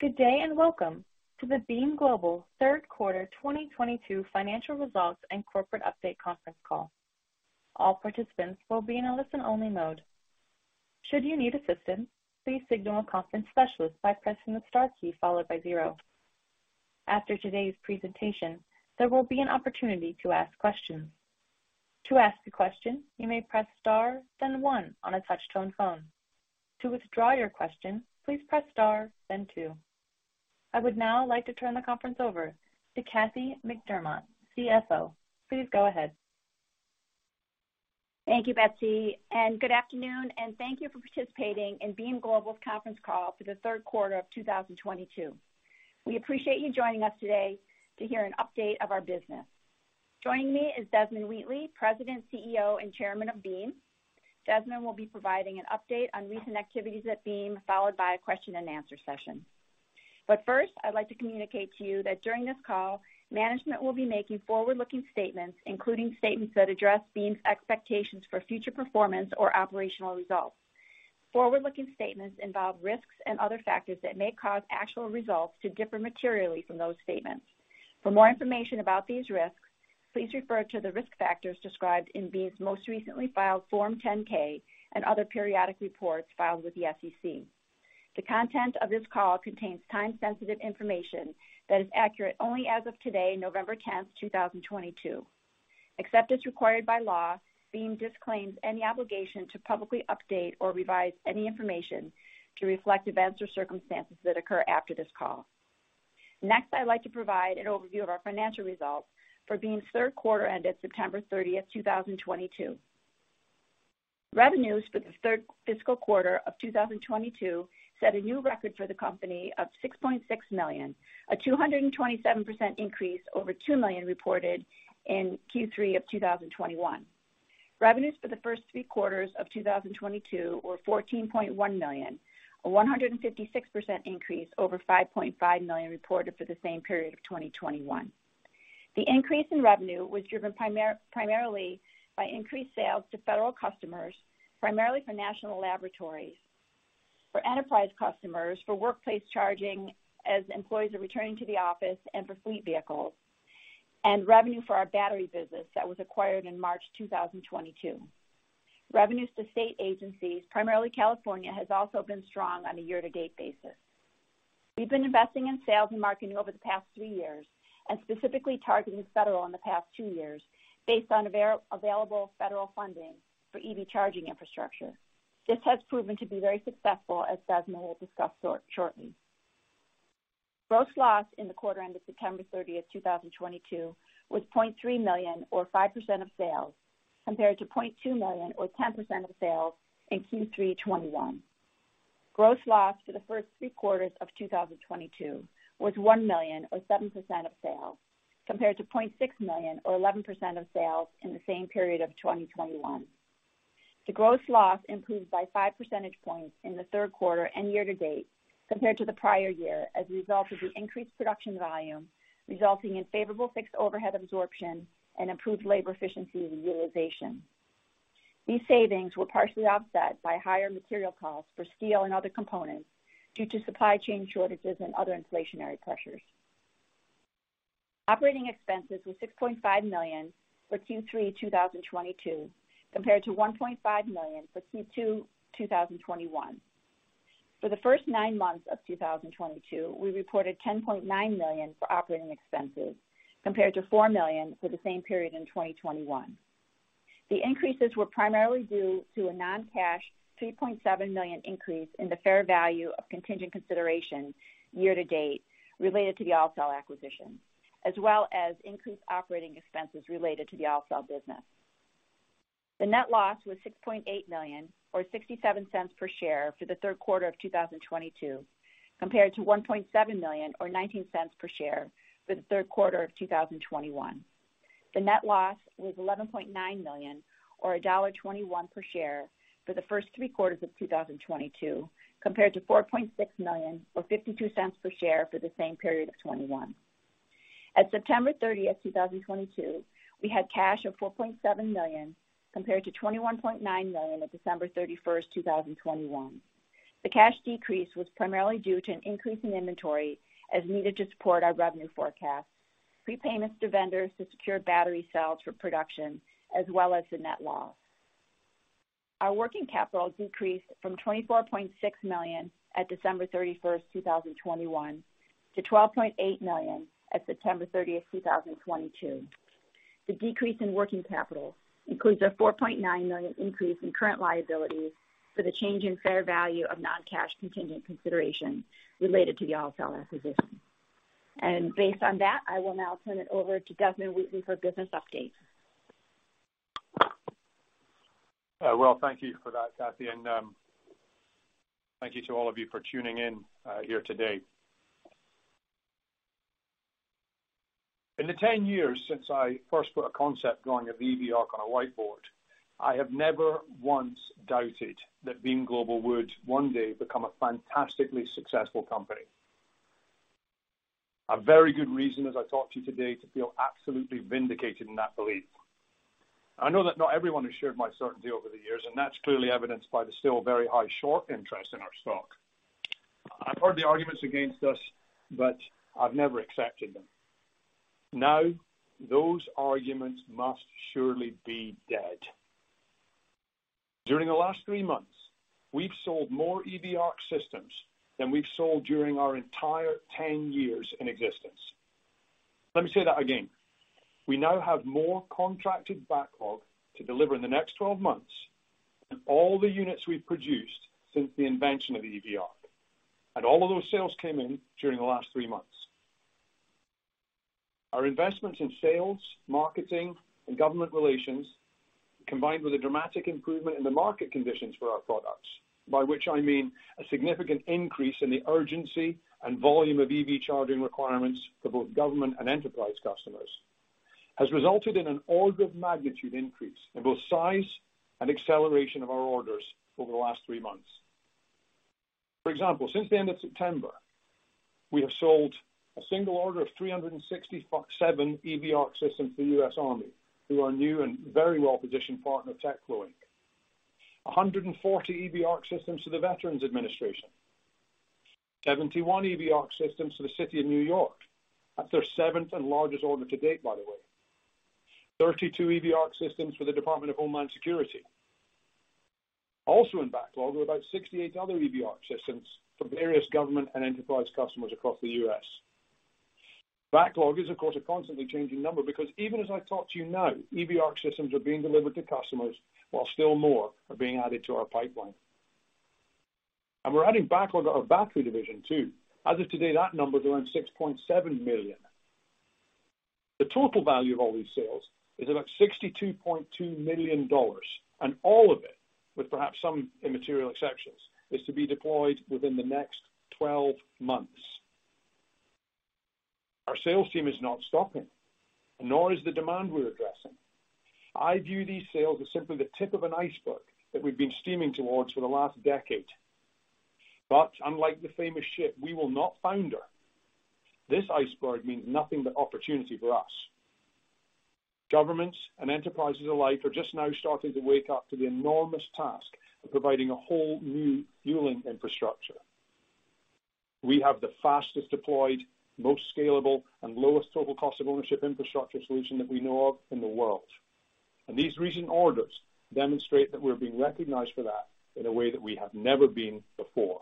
Good day, and welcome to the Beam Global third quarter 2022 financial results and corporate update conference call. All participants will be in a listen-only mode. Should you need assistance, please signal a conference specialist by pressing the star key followed by zero. After today's presentation, there will be an opportunity to ask questions. To ask a question, you may press star then one on a touch-tone phone. To withdraw your question, please press star then two. I would now like to turn the conference over to Kathy McDermott, CFO. Please go ahead. Thank you, Betsy, and good afternoon, and thank you for participating in Beam Global's conference call for the third quarter of 2022. We appreciate you joining us today to hear an update of our business. Joining me is Desmond Wheatley, President, CEO, and Chairman of Beam. Desmond will be providing an update on recent activities at Beam, followed by a question-and-answer session. First, I'd like to communicate to you that during this call, management will be making forward-looking statements, including statements that address Beam's expectations for future performance or operational results. Forward-looking statements involve risks and other factors that may cause actual results to differ materially from those statements. For more information about these risks, please refer to the risk factors described in Beam's most recently filed Form 10-K and other periodic reports filed with the SEC. The content of this call contains time-sensitive information that is accurate only as of today, November 10th, 2022. Except as required by law, Beam disclaims any obligation to publicly update or revise any information to reflect events or circumstances that occur after this call. Next, I'd like to provide an overview of our financial results for Beam's third quarter ended September 30th, 2022. Revenues for the third fiscal quarter of 2022 set a new record for the company of $6.6 million, a 227% increase over $2 million reported in Q3 of 2021. Revenues for the first three quarters of 2022 were $14.1 million, a 156% increase over $5.5 million reported for the same period of 2021. The increase in revenue was driven primarily by increased sales to federal customers, primarily for national laboratories, for enterprise customers, for workplace charging as employees are returning to the office and for fleet vehicles, and revenue for our battery business that was acquired in March 2022. Revenues to state agencies, primarily California, has also been strong on a year-to-date basis. We've been investing in sales and marketing over the past three years and specifically targeting federal in the past two years based on available federal funding for EV charging infrastructure. This has proven to be very successful, as Desmond will discuss shortly. Gross loss in the quarter ended September 30th, 2022 was $0.3 million or 5% of sales, compared to $0.2 million or 10% of sales in Q3 2021. Gross loss for the first three quarters of 2022 was $1 million or 7% of sales, compared to $0.6 million or 11% of sales in the same period of 2021. The gross loss improved by 5 percentage points in the third quarter and year-to-date compared to the prior year as a result of the increased production volume, resulting in favorable fixed overhead absorption and improved labor efficiency and utilization. These savings were partially offset by higher material costs for steel and other components due to supply chain shortages and other inflationary pressures. Operating expenses were $6.5 million for Q3 2022, compared to $1.5 million for Q2 2021. For the first nine months of 2022, we reported $10.9 million for operating expenses compared to $4 million for the same period in 2021. The increases were primarily due to a non-cash $3.7 million increase in the fair value of contingent consideration year-to-date related to the AllCell acquisition, as well as increased operating expenses related to the AllCell business. The net loss was $6.8 million or $0.67 per share for the third quarter of 2022, compared to $1.7 million or $0.19 per share for the third quarter of 2021. The net loss was $11.9 million or $1.21 per share for the first three quarters of 2022, compared to $4.6 million or $0.52 per share for the same period of 2021. At September 30th, 2022, we had cash of $4.7 million compared to $21.9 million at December 31st, 2021. The cash decrease was primarily due to an increase in inventory as needed to support our revenue forecast, prepayments to vendors to secure battery cells for production, as well as the net loss. Our working capital decreased from $24.6 million at December 31st, 2021, to $12.8 million at September 30th, 2022. The decrease in working capital includes a $4.9 million increase in current liabilities for the change in fair value of non-cash contingent consideration related to the AllCell acquisition. Based on that, I will now turn it over to Desmond Wheatley for business updates. Well, thank you for that, Kathy, and thank you to all of you for tuning in here today. In the 10 years since I first put a concept drawing of EV ARC on a whiteboard, I have never once doubted that Beam Global would one day become a fantastically successful company. A very good reason as I talk to you today to feel absolutely vindicated in that belief. I know that not everyone has shared my certainty over the years, and that's clearly evidenced by the still very high short interest in our stock. I've heard the arguments against us, but I've never accepted them. Now, those arguments must surely be dead. During the last three months, we've sold more EV ARC systems than we've sold during our entire 10 years in existence. Let me say that again. We now have more contracted backlog to deliver in the next 12 months than all the units we've produced since the invention of the EV ARC. All of those sales came in during the last three months. Our investments in sales, marketing, and government relations, combined with a dramatic improvement in the market conditions for our products, by which I mean a significant increase in the urgency and volume of EV charging requirements for both government and enterprise customers, has resulted in an order of magnitude increase in both size and acceleration of our orders over the last three months. For example, since the end of September, we have sold a single order of 367 EV ARC systems to the U.S. Army, through our new and very well-positioned partner, TechFlow Inc. 140 EV ARC systems to the Veterans Administration. 71 EV ARC systems to the City of New York. That's their seventh and largest order-to-date, by the way. 32 EV ARC systems for the Department of Homeland Security. Also in backlog are about 68 other EV ARC systems for various government and enterprise customers across the U.S. Backlog is, of course, a constantly changing number because even as I talk to you now, EV ARC systems are being delivered to customers while still more are being added to our pipeline. We're adding backlog at our battery division too. As of today, that number is around $6.7 million. The total value of all these sales is about $62.2 million, and all of it, with perhaps some immaterial exceptions, is to be deployed within the next 12 months. Our sales team is not stopping, and nor is the demand we're addressing. I view these sales as simply the tip of an iceberg that we've been steaming towards for the last decade. Unlike the famous ship, we will not founder. This iceberg means nothing but opportunity for us. Governments and enterprises alike are just now starting to wake up to the enormous task of providing a whole new fueling infrastructure. We have the fastest deployed, most scalable, and lowest total cost of ownership infrastructure solution that we know of in the world. These recent orders demonstrate that we're being recognized for that in a way that we have never been before.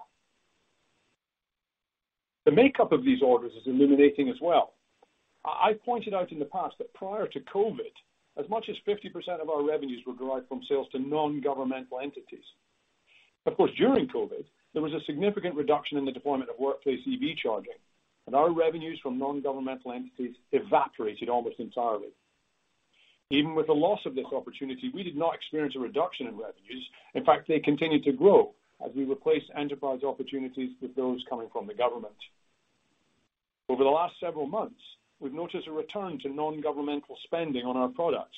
The makeup of these orders is illuminating as well. I pointed out in the past that prior to COVID, as much as 50% of our revenues were derived from sales to nongovernmental entities. Of course, during COVID, there was a significant reduction in the deployment of workplace EV charging, and our revenues from nongovernmental entities evaporated almost entirely. Even with the loss of this opportunity, we did not experience a reduction in revenues. In fact, they continued to grow as we replaced enterprise opportunities with those coming from the government. Over the last several months, we've noticed a return to nongovernmental spending on our products.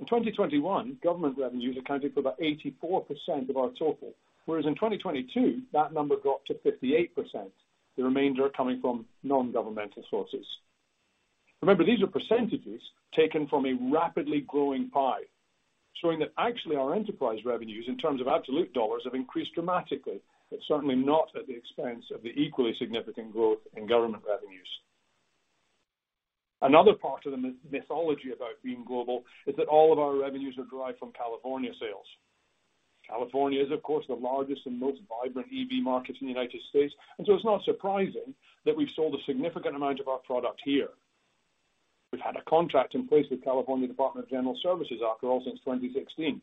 In 2021, government revenues accounted for about 84% of our total, whereas in 2022, that number dropped to 58%, the remainder coming from nongovernmental sources. Remember, these are percentages taken from a rapidly growing pie, showing that actually our enterprise revenues in terms of absolute dollars have increased dramatically. It's certainly not at the expense of the equally significant growth in government revenues. Another part of the mythology about Beam Global is that all of our revenues are derived from California sales. California is, of course, the largest and most vibrant EV market in the United States, and so it's not surprising that we've sold a significant amount of our product here. We've had a contract in place with California Department of General Services, after all, since 2016.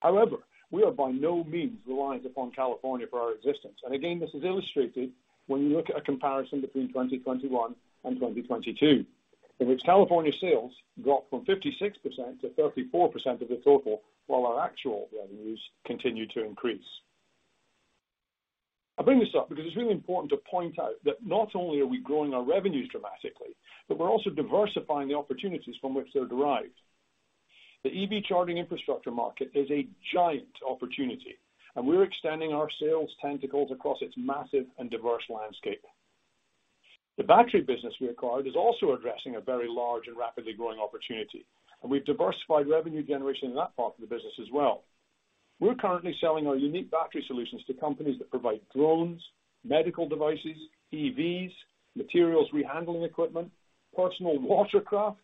However, we are by no means reliant upon California for our existence. Again, this is illustrated when you look at a comparison between 2021 and 2022, in which California sales dropped from 56% to 34% of the total, while our actual revenues continued to increase. I bring this up because it's really important to point out that not only are we growing our revenues dramatically, but we're also diversifying the opportunities from which they're derived. The EV charging infrastructure market is a giant opportunity, and we're extending our sales tentacles across its massive and diverse landscape. The battery business we acquired is also addressing a very large and rapidly growing opportunity, and we've diversified revenue generation in that part of the business as well. We're currently selling our unique battery solutions to companies that provide drones, medical devices, EVs, materials rehandling equipment, personal watercraft,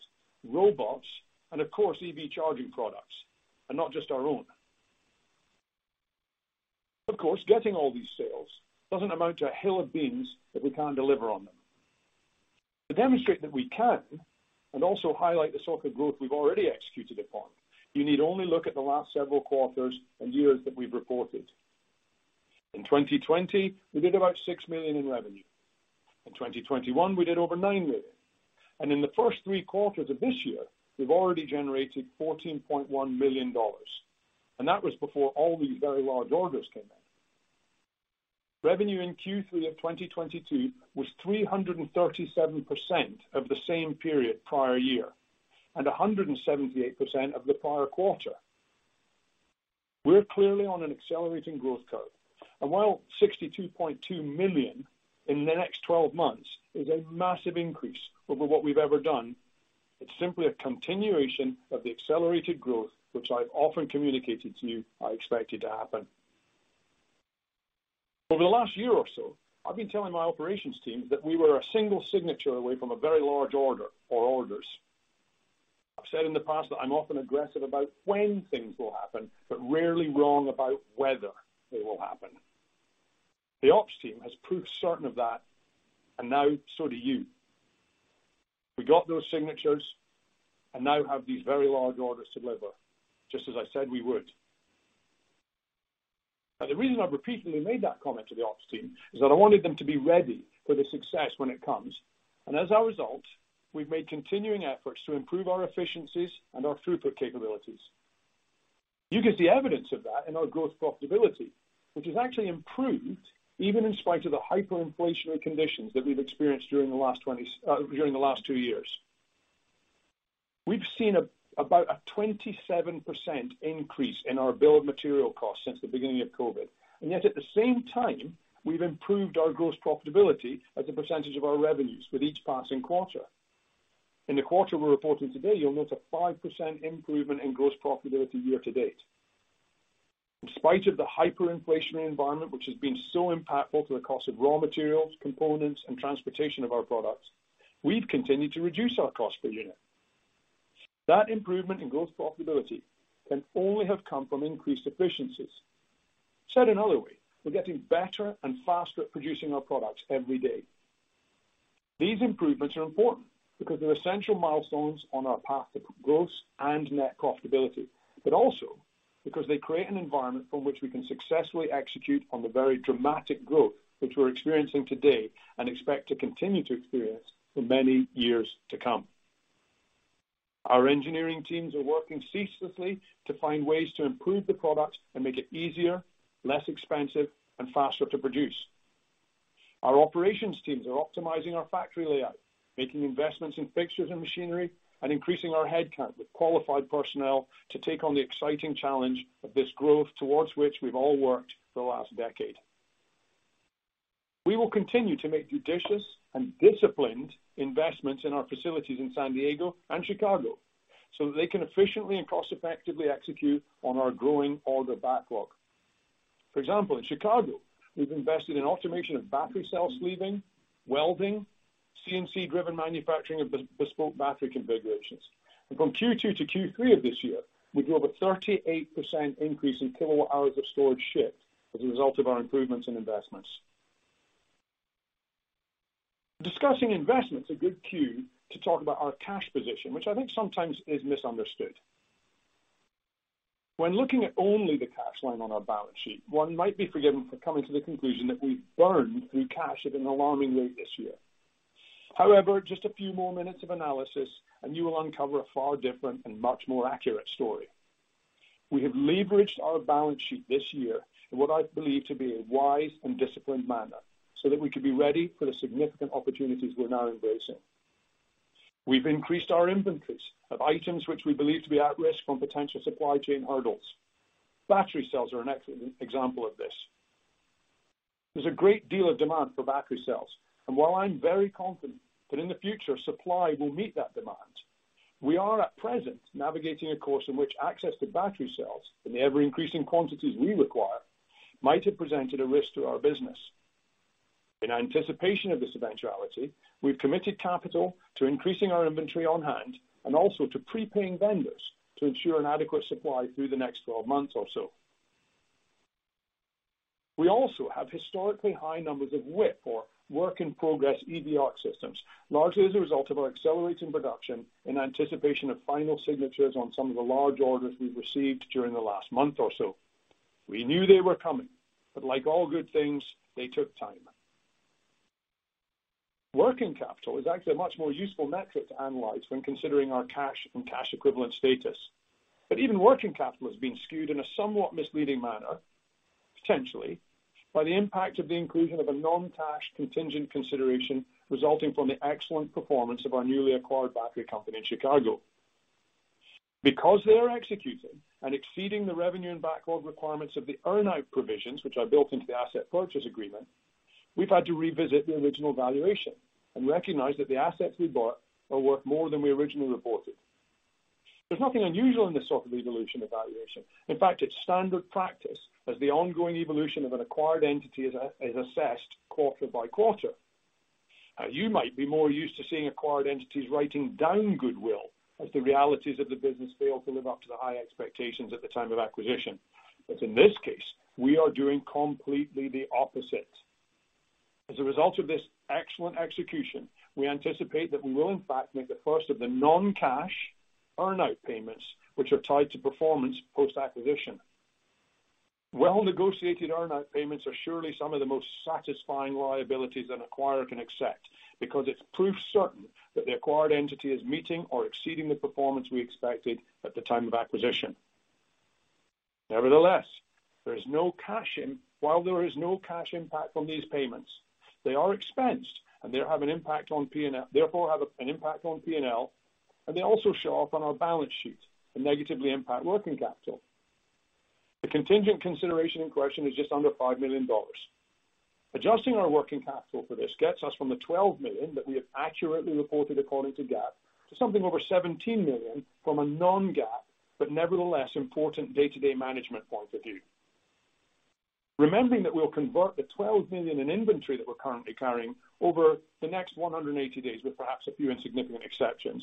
robots, and of course, EV charging products, and not just our own. Of course, getting all these sales doesn't amount to a hill of beans if we can't deliver on them. To demonstrate that we can and also highlight the sort of growth we've already executed upon, you need only look at the last several quarters and years that we've reported. In 2020, we did about $6 million in revenue. In 2021, we did over $9 million. In the first three quarters of this year, we've already generated $14.1 million. That was before all these very large orders came in. Revenue in Q3 of 2022 was 337% of the same period prior year and 178% of the prior quarter. We're clearly on an accelerating growth curve. While $62.2 million in the next twelve months is a massive increase over what we've ever done, it's simply a continuation of the accelerated growth, which I've often communicated to you I expected to happen. Over the last year or so, I've been telling my operations team that we were a single signature away from a very large order or orders. I've said in the past that I'm often aggressive about when things will happen, but rarely wrong about whether they will happen. The ops team has proved certain of that, and now so do you. We got those signatures and now have these very large orders to deliver, just as I said we would. Now, the reason I repeatedly made that comment to the ops team is that I wanted them to be ready for the success when it comes. As a result, we've made continuing efforts to improve our efficiencies and our throughput capabilities. You can see evidence of that in our gross profitability, which has actually improved even in spite of the hyperinflationary conditions that we've experienced during the last two years. We've seen about a 27% increase in our bill of material costs since the beginning of COVID. Yet, at the same time, we've improved our gross profitability as a percentage of our revenues with each passing quarter. In the quarter we're reporting today, you'll note a 5% improvement in gross profitability year-to-date. In spite of the hyperinflationary environment which has been so impactful to the cost of raw materials, components, and transportation of our products, we've continued to reduce our cost per unit. That improvement in gross profitability can only have come from increased efficiencies. Said another way, we're getting better and faster at producing our products every day. These improvements are important because they're essential milestones on our path to gross and net profitability, but also because they create an environment from which we can successfully execute on the very dramatic growth which we're experiencing today and expect to continue to experience for many years to come. Our engineering teams are working ceaselessly to find ways to improve the product and make it easier, less expensive, and faster to produce. Our operations teams are optimizing our factory layout, making investments in fixtures and machinery, and increasing our headcount with qualified personnel to take on the exciting challenge of this growth towards which we've all worked for the last decade. We will continue to make judicious and disciplined investments in our facilities in San Diego and Chicago, so that they can efficiently and cost-effectively execute on our growing order backlog. For example, in Chicago, we've invested in automation of battery cell sleeving, welding, CNC-driven manufacturing of bespoke battery configurations. From Q2 to Q3 of this year, we grew over 38% increase in kilowatt hours of storage shipped as a result of our improvements and investments. Discussing investment is a good cue to talk about our cash position, which I think sometimes is misunderstood. When looking at only the cash line on our balance sheet, one might be forgiven for coming to the conclusion that we burned through cash at an alarming rate this year. However, just a few more minutes of analysis, and you will uncover a far different and much more accurate story. We have leveraged our balance sheet this year in what I believe to be a wise and disciplined manner, so that we can be ready for the significant opportunities we're now embracing. We've increased our inventories of items which we believe to be at risk from potential supply chain hurdles. Battery cells are an excellent example of this. There's a great deal of demand for battery cells, and while I'm very confident that in the future supply will meet that demand, we are at present navigating a course in which access to battery cells in the ever-increasing quantities we require might have presented a risk to our business. In anticipation of this eventuality, we've committed capital to increasing our inventory on-hand and also to prepaying vendors to ensure an adequate supply through the next 12 months or so. We also have historically high numbers of WIP or work-in-progress EV ARC systems, largely as a result of our accelerating production in anticipation of final signatures on some of the large orders we've received during the last month or so. We knew they were coming, but like all good things, they took time. Working capital is actually a much more useful metric to analyze when considering our cash and cash equivalent status. Even working capital has been skewed in a somewhat misleading manner, potentially, by the impact of the inclusion of a non-cash contingent consideration resulting from the excellent performance of our newly acquired battery company in Chicago. Because they are executing and exceeding the revenue and backlog requirements of the earn-out provisions, which are built into the asset purchase agreement, we've had to revisit the original valuation and recognize that the assets we bought are worth more than we originally reported. There's nothing unusual in this sort of evolution evaluation. In fact, it's standard practice as the ongoing evolution of an acquired entity is assessed quarter-by-quarter. You might be more used to seeing acquired entities writing down goodwill as the realities of the business fail to live up to the high expectations at the time of acquisition. In this case, we are doing completely the opposite. As a result of this excellent execution, we anticipate that we will in fact make the first of the non-cash earn-out payments, which are tied to performance post-acquisition. Well-negotiated earn-out payments are surely some of the most satisfying liabilities an acquirer can accept because it's proof certain that the acquired entity is meeting or exceeding the performance we expected at the time of acquisition. Nevertheless, there's no cash in. While there is no cash impact on these payments, they are expensed and, therefore, have an impact on P&L, and they also show up on our balance sheet and negatively impact working capital. The contingent consideration in question is just under $5 million. Adjusting our working capital for this gets us from the $12 million that we have accurately reported according to GAAP to something over $17 million from a non-GAAP, but nevertheless important day-to-day management point of view. Remembering that we'll convert the $12 million in inventory that we're currently carrying over the next 180 days, with perhaps a few insignificant exceptions,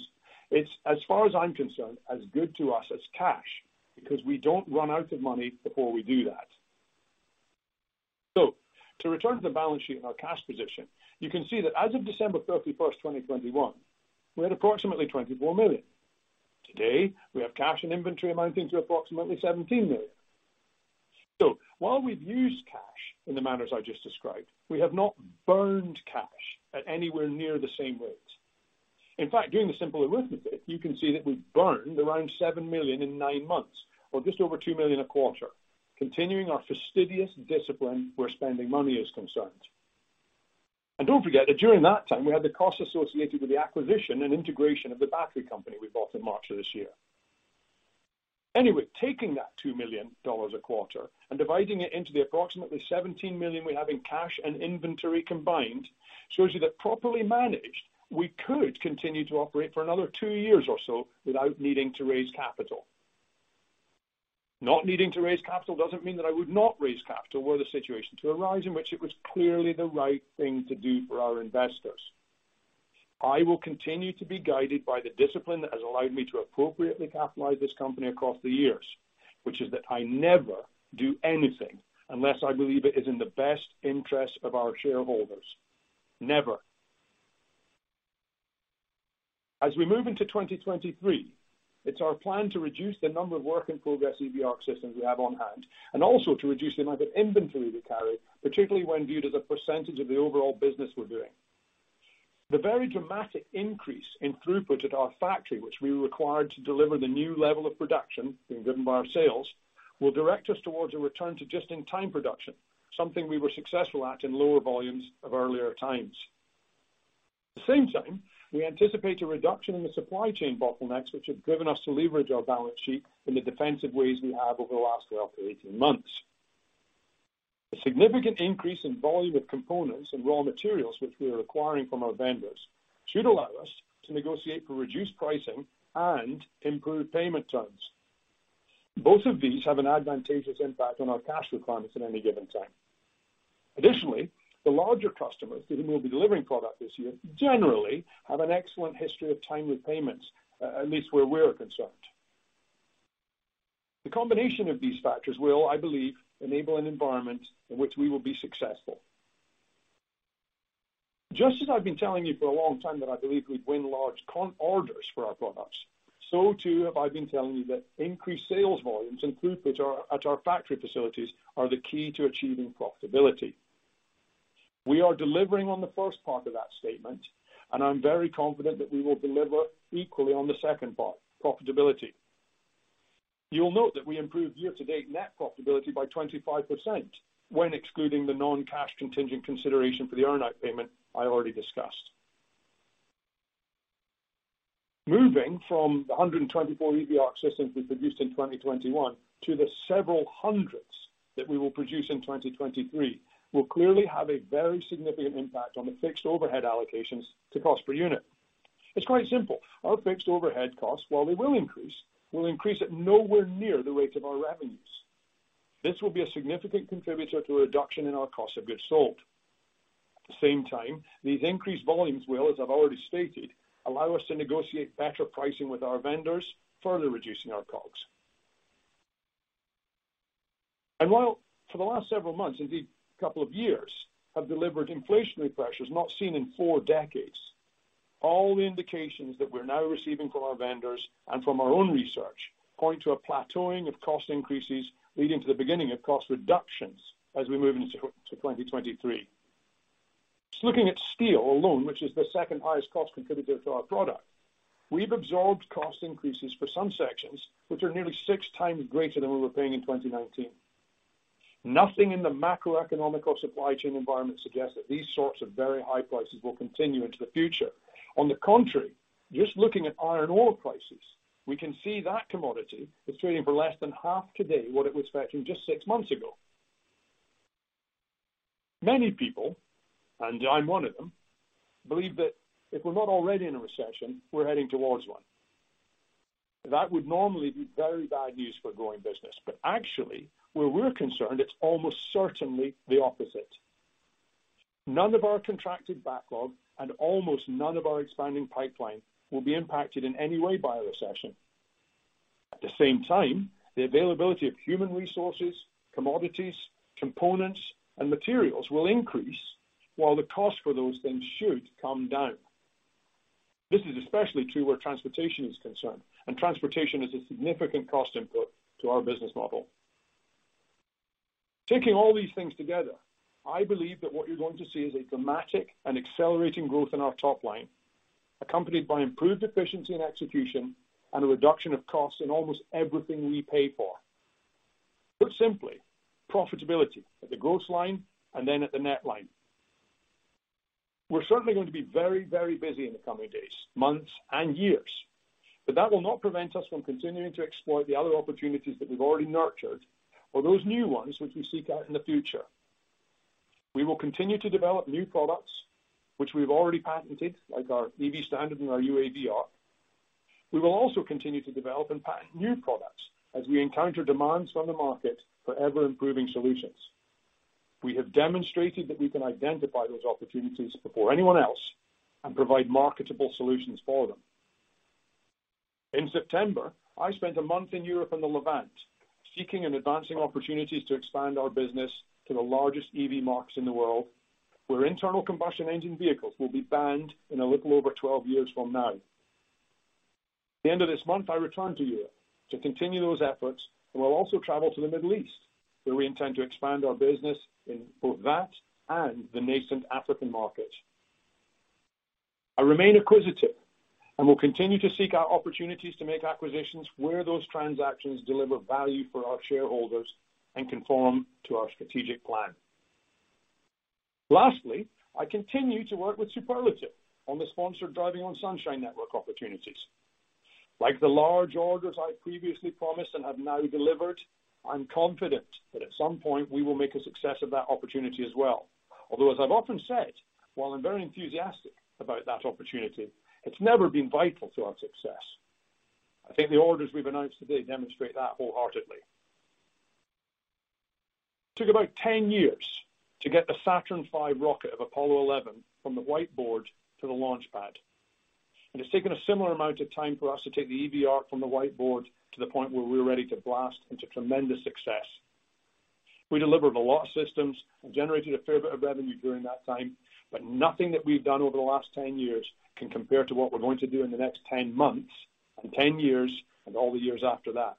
it's, as far as I'm concerned, as good to us as cash because we don't run out of money before we do that. To return to the balance sheet and our cash position, you can see that as of December 31st, 2021, we had approximately $24 million. Today, we have cash and inventory amounting to approximately $17 million. While we've used cash in the manners I just described, we have not burned cash at anywhere near the same rates. In fact, doing the simple arithmetic, you can see that we've burned around $7 million in nine months or just over $2 million a quarter, continuing our fastidious discipline where spending money is concerned. Don't forget that during that time, we had the cost associated with the acquisition and integration of the battery company we bought in March of this year. Anyway, taking that $2 million a quarter and dividing it into the approximately $17 million we have in cash and inventory combined, shows you that properly managed, we could continue to operate for another two years or so without needing to raise capital. Not needing to raise capital doesn't mean that I would not raise capital were the situation to arise in which it was clearly the right thing to do for our investors. I will continue to be guided by the discipline that has allowed me to appropriately capitalize this company across the years, which is that I never do anything unless I believe it is in the best interest of our shareholders. Never. As we move into 2023, it's our plan to reduce the number of work in progress EV ARC systems we have on hand, and also to reduce the amount of inventory we carry, particularly when viewed as a percentage of the overall business we're doing. The very dramatic increase in throughput at our factory, which we were required to deliver the new level of production being driven by our sales, will direct us towards a return to just-in-time production, something we were successful at in lower volumes of earlier times. At the same time, we anticipate a reduction in the supply chain bottlenecks, which have driven us to leverage our balance sheet in the defensive ways we have over the last 12-18 months. A significant increase in volume of components and raw materials, which we are acquiring from our vendors, should allow us to negotiate for reduced pricing and improved payment terms. Both of these have an advantageous impact on our cash requirements at any given time. Additionally, the larger customers to whom we'll be delivering product this year generally have an excellent history of timely payments, at least where we're concerned. The combination of these factors will, I believe, enable an environment in which we will be successful. Just as I've been telling you for a long time that I believe we'd win large orders for our products, so too have I been telling you that increased sales volumes and throughput at our factory facilities are the key to achieving profitability. We are delivering on the first part of that statement, and I'm very confident that we will deliver equally on the second part, profitability. You'll note that we improved year-to-date net profitability by 25% when excluding the non-cash contingent consideration for the earn-out payment I already discussed. Moving from the 124 EV ARC systems we produced in 2021 to the several hundreds that we will produce in 2023 will clearly have a very significant impact on the fixed overhead allocations to cost per unit. It's quite simple. Our fixed overhead costs, while they will increase, will increase at nowhere near the rates of our revenues. This will be a significant contributor to a reduction in our cost of goods sold. At the same time, these increased volumes will, as I've already stated, allow us to negotiate better pricing with our vendors, further reducing our COGS. While for the last several months, indeed couple of years, have delivered inflationary pressures not seen in four decades, all the indications that we're now receiving from our vendors and from our own research point to a plateauing of cost increases, leading to the beginning of cost reductions as we move into 2023. Just looking at steel alone, which is the second highest cost contributor to our product, we've absorbed cost increases for some sections which are nearly six times greater than we were paying in 2019. Nothing in the macroeconomic or supply chain environment suggests that these sorts of very high prices will continue into the future. On the contrary, just looking at iron ore prices, we can see that commodity is trading for less than half today what it was fetching just six months ago. Many people, and I'm one of them, believe that if we're not already in a recession, we're heading towards one. That would normally be very bad news for growing business. Actually, where we're concerned, it's almost certainly the opposite. None of our contracted backlog and almost none of our expanding pipeline will be impacted in any way by a recession. At the same time, the availability of human resources, commodities, components, and materials will increase while the cost for those things should come down. This is especially true where transportation is concerned, and transportation is a significant cost input to our business model. Taking all these things together, I believe that what you're going to see is a dramatic and accelerating growth in our top line. Accompanied by improved efficiency and execution and a reduction of costs in almost everything we pay for. Put simply, profitability at the gross line and then at the net line. We're certainly going to be very, very busy in the coming days, months, and years, but that will not prevent us from continuing to exploit the other opportunities that we've already nurtured or those new ones which we seek out in the future. We will continue to develop new products which we've already patented, like our EV Standard and our UAV ARC. We will also continue to develop and patent new products as we encounter demands from the market for ever-improving solutions. We have demonstrated that we can identify those opportunities before anyone else and provide marketable solutions for them. In September, I spent a month in Europe and the Levant seeking and advancing opportunities to expand our business to the largest EV markets in the world, where internal combustion engine vehicles will be banned in a little over 12 years from now. At the end of this month, I return to Europe to continue those efforts, and we'll also travel to the Middle East, where we intend to expand our business in both that and the nascent African market. I remain acquisitive and will continue to seek out opportunities to make acquisitions where those transactions deliver value for our shareholders and conform to our strategic plan. Lastly, I continue to work with Superlative on the sponsored Driving on Sunshine Network opportunities. Like the large orders I previously promised and have now delivered, I'm confident that at some point we will make a success of that opportunity as well. Although, as I've often said, while I'm very enthusiastic about that opportunity, it's never been vital to our success. I think the orders we've announced today demonstrate that wholeheartedly. It took about 10 years to get the Saturn V rocket of Apollo 11 from the whiteboard to the launch pad. It's taken a similar amount of time for us to take the EV ARC from the whiteboard to the point where we're ready to blast into tremendous success. We delivered a lot of systems and generated a fair bit of revenue during that time, but nothing that we've done over the last 10 years can compare to what we're going to do in the next 10 months and 10 years and all the years after that.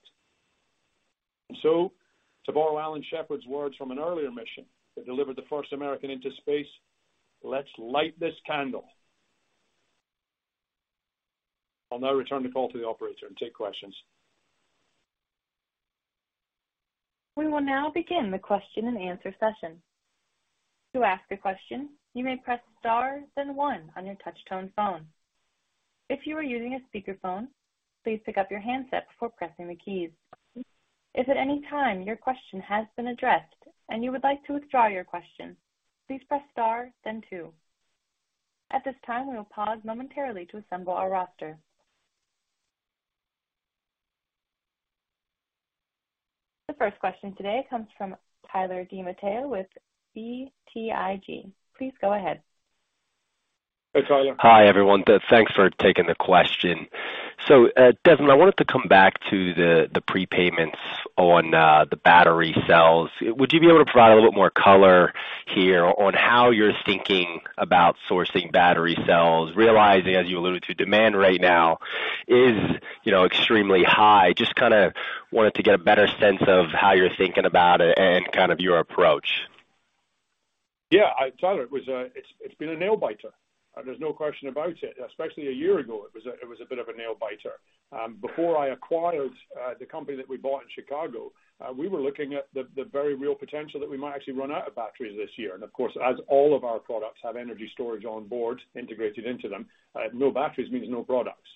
To borrow Alan Shepard's words from an earlier mission that delivered the first American into space, "Let's light this candle." I'll now return the call to the operator and take questions. We will now begin the question-and-answer session. To ask a question, you may press star then one on your touch-tone phone. If you are using a speakerphone, please pick up your handset before pressing the keys. If at any time your question has been addressed and you would like to withdraw your question, please press star then two. At this time, we will pause momentarily to assemble our roster. The first question today comes from Tyler DiMatteo with BTIG. Please go ahead. Hey, Tyler. Hi, everyone. Thanks for taking the question. Desmond, I wanted to come back to the prepayments on the battery cells. Would you be able to provide a little bit more color here on how you're thinking about sourcing battery cells, realizing, as you alluded to, demand right now is, you know, extremely high. Just kinda wanted to get a better sense of how you're thinking about it and kind of your approach. Yeah. Tyler, it was, it's been a nail biter. There's no question about it, especially a year ago, it was a bit of a nail biter. Before I acquired the company that we bought in Chicago, we were looking at the very real potential that we might actually run out of batteries this year. Of course, as all of our products have energy storage on board integrated into them, no batteries means no products.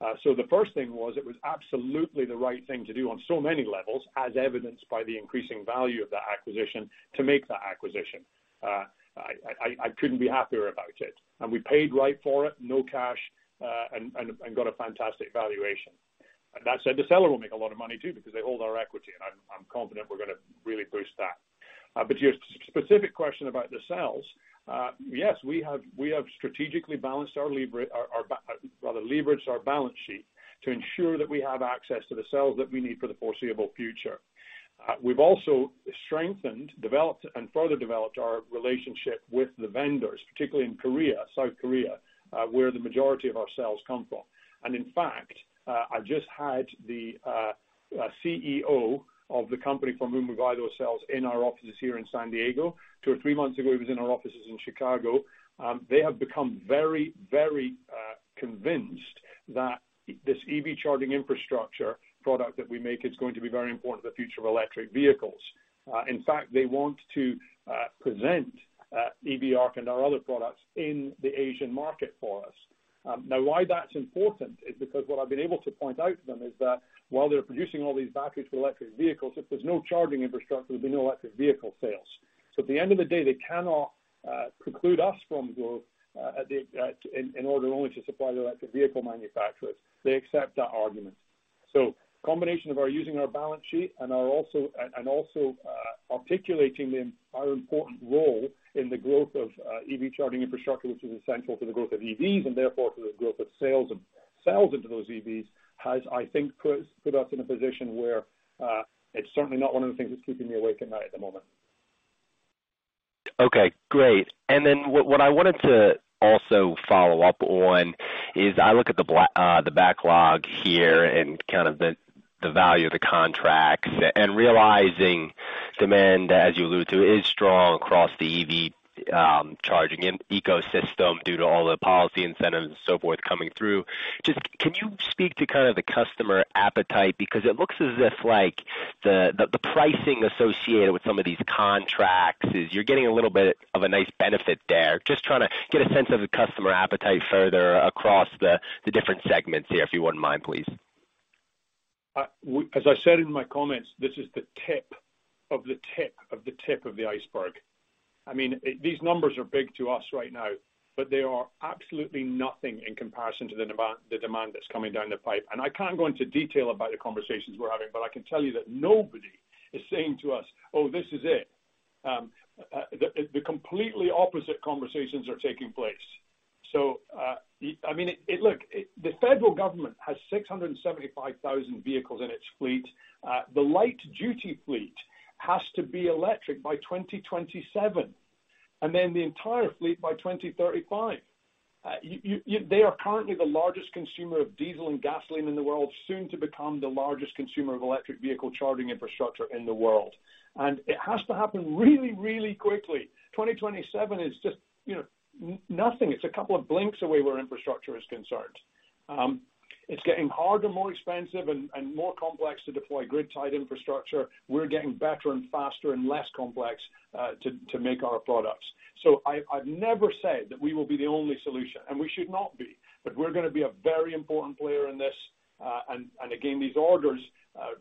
The first thing was absolutely the right thing to do on so many levels as evidenced by the increasing value of that acquisition to make that acquisition. I couldn't be happier about it. We paid right for it, no cash, and got a fantastic valuation. That said, the seller will make a lot of money too because they hold our equity, and I'm confident we're gonna really boost that. Your specific question about the cells, yes, we have strategically leveraged our balance sheet to ensure that we have access to the cells that we need for the foreseeable future. We've also strengthened, developed, and further developed our relationship with the vendors, particularly in Korea, South Korea, where the majority of our cells come from. In fact, I just had the CEO of the company from whom we buy those cells in our offices here in San Diego. Two or three months ago, he was in our offices in Chicago. They have become very convinced that this EV charging infrastructure product that we make is going to be very important to the future of electric vehicles. In fact, they want to present EV ARC and our other products in the Asian market for us. Now why that's important is because what I've been able to point out to them is that while they're producing all these batteries for electric vehicles, if there's no charging infrastructure, there'll be no electric vehicle sales. At the end of the day, they cannot preclude us from growth in order only to supply the electric vehicle manufacturers. They accept that argument. Combination of our using our balance sheet and also articulating our important role in the growth of EV charging infrastructure, which is essential to the growth of EVs, and therefore to the growth of sales of cells into those EVs, has, I think, put us in a position where it's certainly not one of the things that's keeping me awake at night at the moment. Okay, great. Then what I wanted to also follow up on is I look at the backlog here and kind of the value of the contracts and realizing demand, as you allude to, is strong across the EV charging ecosystem due to all the policy incentives and so forth coming through. Just can you speak to kind of the customer appetite? Because it looks as if like the pricing associated with some of these contracts is you're getting a little bit of a nice benefit there. Just trying to get a sense of the customer appetite further across the different segments here, if you wouldn't mind, please. As I said in my comments, this is the tip of the tip of the tip of the iceberg. I mean, these numbers are big to us right now, but they are absolutely nothing in comparison to the demand that's coming down the pipe. I can't go into detail about the conversations we're having, but I can tell you that nobody is saying to us, "Oh, this is it." The completely opposite conversations are taking place. I mean, look, the federal government has 675,000 vehicles in its fleet. The light duty fleet has to be electric by 2027, and then the entire fleet by 2035. They are currently the largest consumer of diesel and gasoline in the world, soon to become the largest consumer of electric vehicle charging infrastructure in the world. It has to happen really, really quickly. 2027 is just, you know, nothing. It's a couple of blinks away where infrastructure is concerned. It's getting harder, more expensive and more complex to deploy grid-tied infrastructure. We're getting better and faster and less complex to make our products. I've never said that we will be the only solution, and we should not be, but we're gonna be a very important player in this. Again, these orders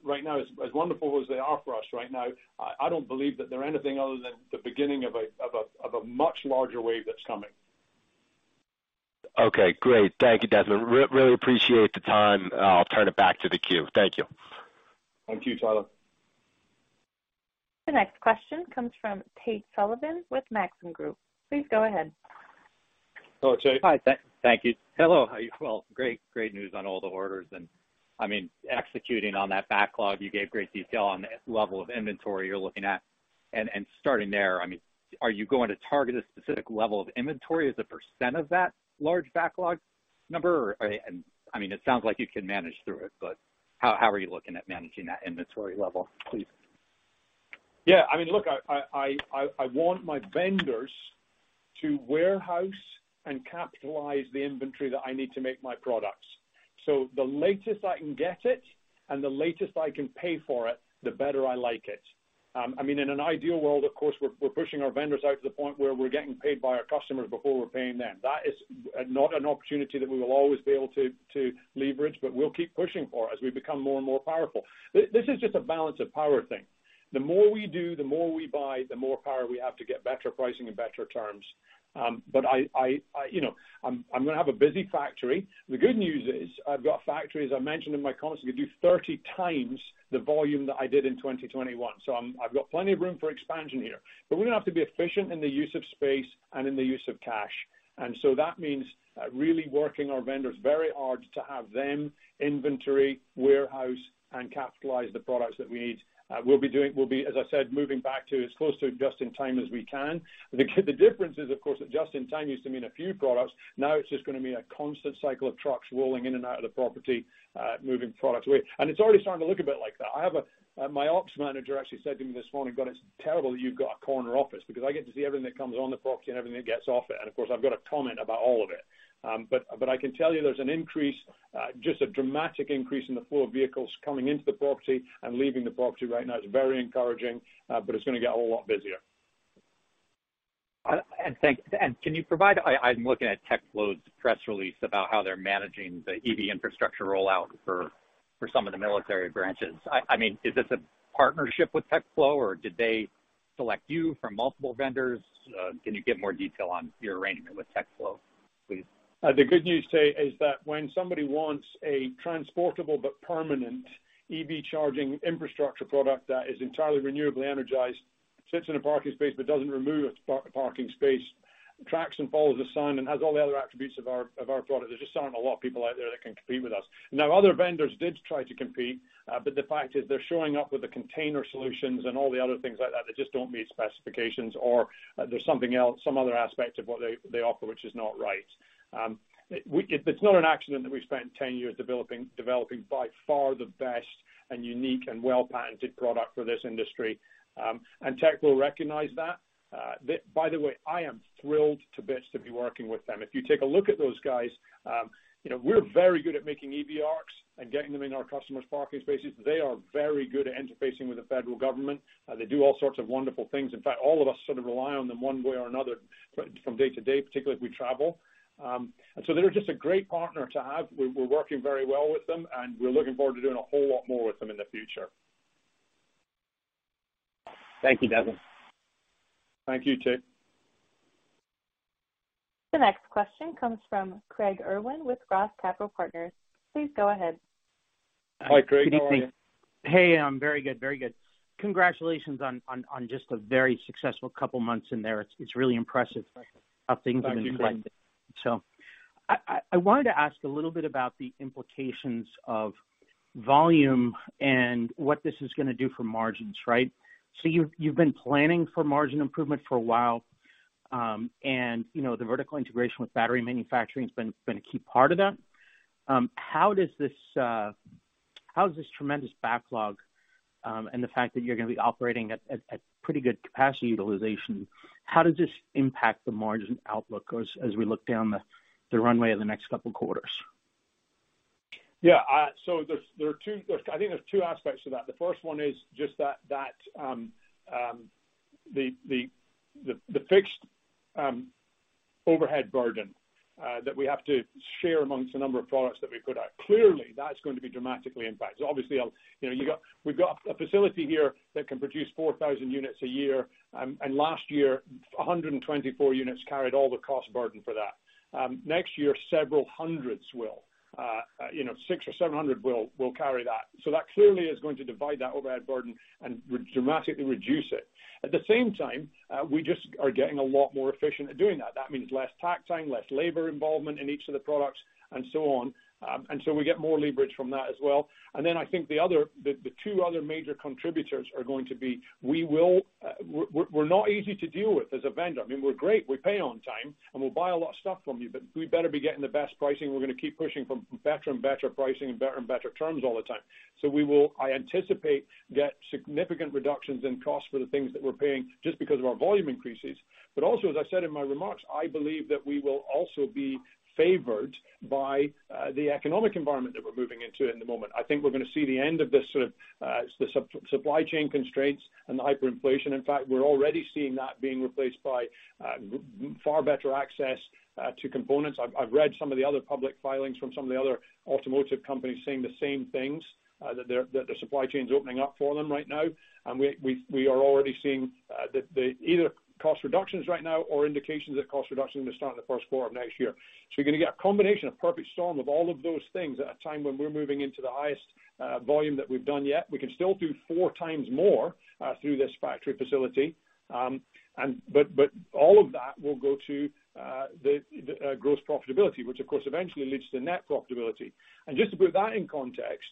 right now, as wonderful as they are for us right now, I don't believe that they're anything other than the beginning of a much larger wave that's coming. Okay, great. Thank you, Desmond. Really appreciate the time. I'll turn it back to the queue. Thank you. Thank you, Tyler. The next question comes from Tate Sullivan with Maxim Group. Please go ahead. Hello, Tate. Hi, thank you. Hello, how are you? Well, great news on all the orders and, I mean, executing on that backlog. You gave great detail on the level of inventory you're looking at. Starting there, I mean, are you going to target a specific level of inventory as a percent of that large backlog number? Or, I mean, it sounds like you can manage through it, but how are you looking at managing that inventory level, please? Yeah, I mean, look, I want my vendors to warehouse and capitalize the inventory that I need to make my products. So the latest I can get it and the latest I can pay for it, the better I like it. I mean, in an ideal world, of course, we're pushing our vendors out to the point where we're getting paid by our customers before we're paying them. That is not an opportunity that we will always be able to leverage, but we'll keep pushing for as we become more and more powerful. This is just a balance of power thing. The more we do, the more we buy, the more power we have to get better pricing and better terms. I, you know, I'm gonna have a busy factory. The good news is I've got factories. I mentioned in my comments, we do 30 times the volume that I did in 2021. I've got plenty of room for expansion here. We're gonna have to be efficient in the use of space and in the use of cash. That means really working our vendors very hard to have them inventory, warehouse, and capitalize the products that we need. We'll be, as I said, moving back to as close to just in time as we can. The difference is, of course, just in time used to mean a few products. Now, it's just gonna be a constant cycle of trucks rolling in and out of the property, moving products away. It's already starting to look a bit like that. My ops manager actually said to me this morning, "God, it's terrible that you've got a corner office because I get to see everything that comes on the property and everything that gets off it." Of course, I've got a comment about all of it. But I can tell you there's an increase, just a dramatic increase in the flow of vehicles coming into the property and leaving the property right now. It's very encouraging, but it's gonna get a whole lot busier. Thank you. I'm looking at TechFlow's press release about how they're managing the EV infrastructure rollout for some of the military branches. I mean, is this a partnership with TechFlow, or did they select you from multiple vendors? Can you give more detail on your arrangement with TechFlow, please? The good news, Tate, is that when somebody wants a transportable but permanent EV charging infrastructure product that is entirely renewably energized, sits in a parking space but doesn't remove a parking space, tracks and follows the sun and has all the other attributes of our product, there just aren't a lot of people out there that can compete with us. Now, other vendors did try to compete, but the fact is they're showing up with the container solutions and all the other things like that just don't meet specifications or there's something else, some other aspect of what they offer, which is not right. It's not an accident that we've spent 10 years developing by far the best and unique and well-patented product for this industry. Tech will recognize that. By the way, I am thrilled to bits to be working with them. If you take a look at those guys, you know, we're very good at making EV ARCs and getting them in our customers' parking spaces. They are very good at interfacing with the federal government. They do all sorts of wonderful things. In fact, all of us sort of rely on them one way or another from day to day, particularly if we travel. They're just a great partner to have. We're working very well with them, and we're looking forward to doing a whole lot more with them in the future. Thank you, Desmond. Thank you, Tate. The next question comes from Craig Irwin with Roth Capital Partners. Please go ahead. Hi, Craig. How are you? Good evening. Hey, I'm very good. Congratulations on just a very successful couple of months in there. It's really impressive how things have been going. Thank you. I wanted to ask a little bit about the implications of volume and what this is gonna do for margins, right? You've been planning for margin improvement for a while. You know, the vertical integration with battery manufacturing has been a key part of that. How does this tremendous backlog and the fact that you're gonna be operating at pretty good capacity utilization impact the margin outlook as we look down the runway in the next couple quarters? Yeah. I think there are two aspects to that. The first one is just that, the fixed overhead burden that we have to share among the number of products that we put out. Clearly, that's going to be dramatically impacted. Obviously, you know, we've got a facility here that can produce 4,000 units a year. Last year, 124 units carried all the cost burden for that. Next year, several hundreds will. You know, 600 or 700 will carry that. That clearly is going to divide that overhead burden and dramatically reduce it. At the same time, we just are getting a lot more efficient at doing that. That means less takt time, less labor involvement in each of the products and so on. We get more leverage from that as well. I think the two other major contributors are going to be. We're not easy to deal with as a vendor. I mean, we're great. We pay on time, and we'll buy a lot of stuff from you, but we better be getting the best pricing. We're gonna keep pushing for better and better pricing and better and better terms all the time. We will, I anticipate, get significant reductions in cost for the things that we're paying just because of our volume increases. Also, as I said in my remarks, I believe that we will also be favored by the economic environment that we're moving into in the moment. I think we're gonna see the end of this sort of supply chain constraints and the hyperinflation. In fact, we're already seeing that being replaced by far better access to components. I've read some of the other public filings from some of the other automotive companies saying the same things that their supply chain is opening up for them right now. We are already seeing the either cost reductions right now or indications that cost reductions are gonna start in the first quarter of next year. You're gonna get a combination of perfect storm of all of those things at a time when we're moving into the highest volume that we've done yet. We can still do four times more through this factory facility. All of that will go to the gross profitability, which of course eventually leads to net profitability. Just to put that in context,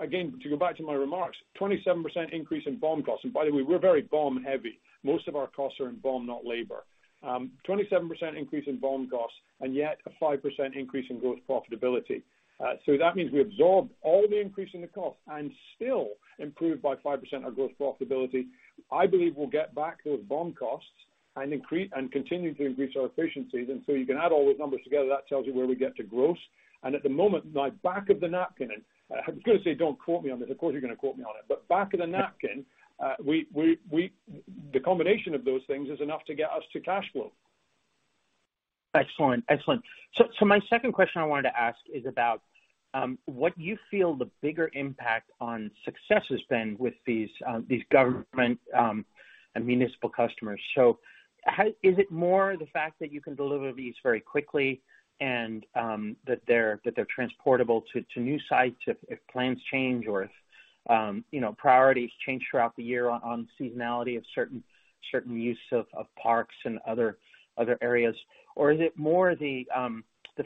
again to go back to my remarks, 27% increase in BOM costs. By the way, we're very BOM heavy. Most of our costs are in BOM, not labor. 27% increase in BOM costs and yet a 5% increase in gross profitability. That means we absorbed all the increase in the cost and still improved by 5% our gross profitability. I believe we'll get back those BOM costs and continue to increase our efficiencies. You can add all those numbers together, that tells you where we get to gross. At the moment, my back of the napkin, I was gonna say, don't quote me on this. Of course, you're gonna quote me on it. Back of the napkin, we the combination of those things is enough to get us to cash flow. Excellent. My second question I wanted to ask is about what you feel the bigger impact on success has been with these government and municipal customers. How is it more the fact that you can deliver these very quickly and that they're transportable to new sites if plans change or if you know, priorities change throughout the year on seasonality of certain use of parks and other areas? Or is it more the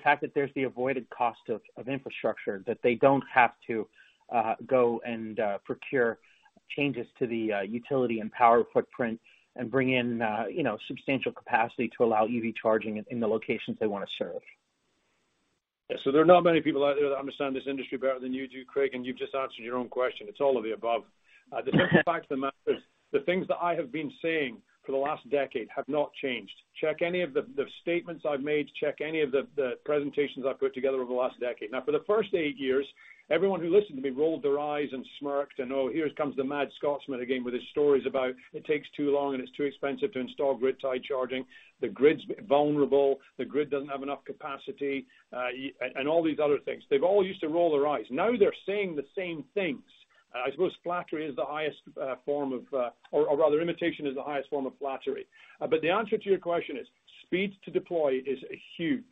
fact that there's the avoided cost of infrastructure that they don't have to go and procure changes to the utility and power footprint and bring in you know, substantial capacity to allow EV charging in the locations they wanna serve? Yeah. There are not many people out there that understand this industry better than you do, Craig, and you've just answered your own question. It's all of the above. The simple fact of the matter is, the things that I have been saying for the last decade have not changed. Check any of the statements I've made, check any of the presentations I've put together over the last decade. Now, for the first eight years, everyone who listened to me rolled their eyes and smirked and, "Oh, here comes the mad Scotsman again with his stories about it takes too long and it's too expensive to install grid-tie charging. The grid's vulnerable, the grid doesn't have enough capacity," and all these other things. They've all used to roll their eyes. Now they're saying the same things. I suppose, or rather, imitation is the highest form of flattery. But the answer to your question is speed to deploy is huge.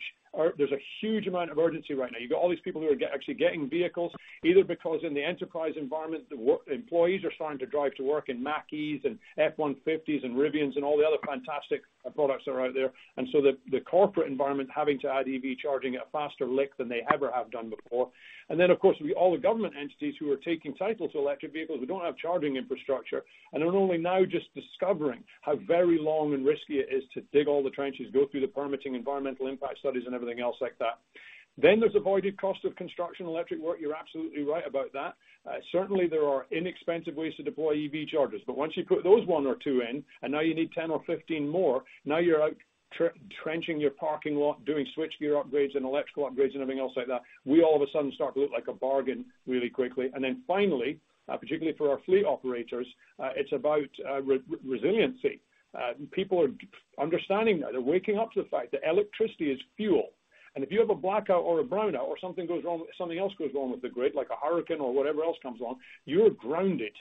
There's a huge amount of urgency right now. You've got all these people who are actually getting vehicles, either because in the enterprise environment, the employees are starting to drive to work in Mach-E's and F-150s and Rivians and all the other fantastic products that are out there. The corporate environment having to add EV charging at a faster lick than they ever have done before. Of course, all the government entities who are taking title to electric vehicles who don't have charging infrastructure and are only now just discovering how very long and risky it is to dig all the trenches, go through the permitting environmental impact studies and everything else like that. There's avoided cost of construction electric work. You're absolutely right about that. Certainly, there are inexpensive ways to deploy EV chargers, but once you put those one or two in and now you need 10 or 15 more, now you're out trenching your parking lot, doing switchgear upgrades and electrical upgrades and everything else like that. We all of a sudden start to look like a bargain really quickly. Particularly for our fleet operators, it's about resiliency. People are understanding that. They're waking up to the fact that electricity is fuel. If you have a blackout or a brownout or something goes wrong, something else goes wrong with the grid, like a hurricane or whatever else comes along, you're grounded.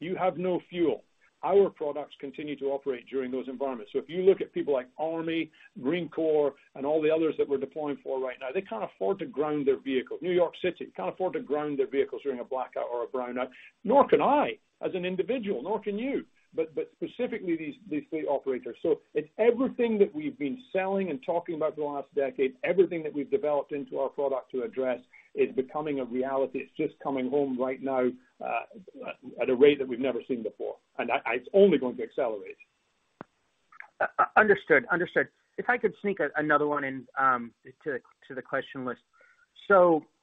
You have no fuel. Our products continue to operate during those environments. If you look at people like Army, Marine Corps, and all the others that we're deploying for right now, they can't afford to ground their vehicle. New York City can't afford to ground their vehicles during a blackout or a brownout, nor can I as an individual, nor can you. Specifically these fleet operators. It's everything that we've been selling and talking about for the last decade. Everything that we've developed into our product to address is becoming a reality. It's just coming home right now, at a rate that we've never seen before. That it's only going to accelerate. Understood. If I could sneak another one in to the question list.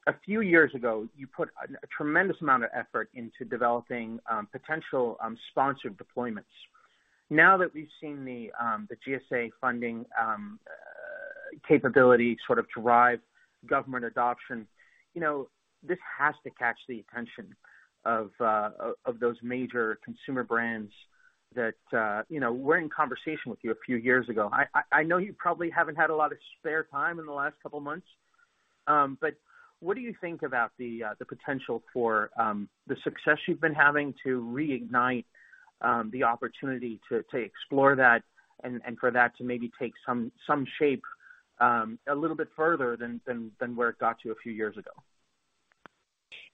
A few years ago, you put a tremendous amount of effort into developing potential sponsored deployments. Now that we've seen the GSA funding capability sort of drive government adoption, you know, this has to catch the attention of those major consumer brands that, you know, were in conversation with you a few years ago. I know you probably haven't had a lot of spare time in the last couple of months, but what do you think about the potential for the success you've been having to reignite the opportunity to explore that and for that to maybe take some shape a little bit further than where it got to a few years ago?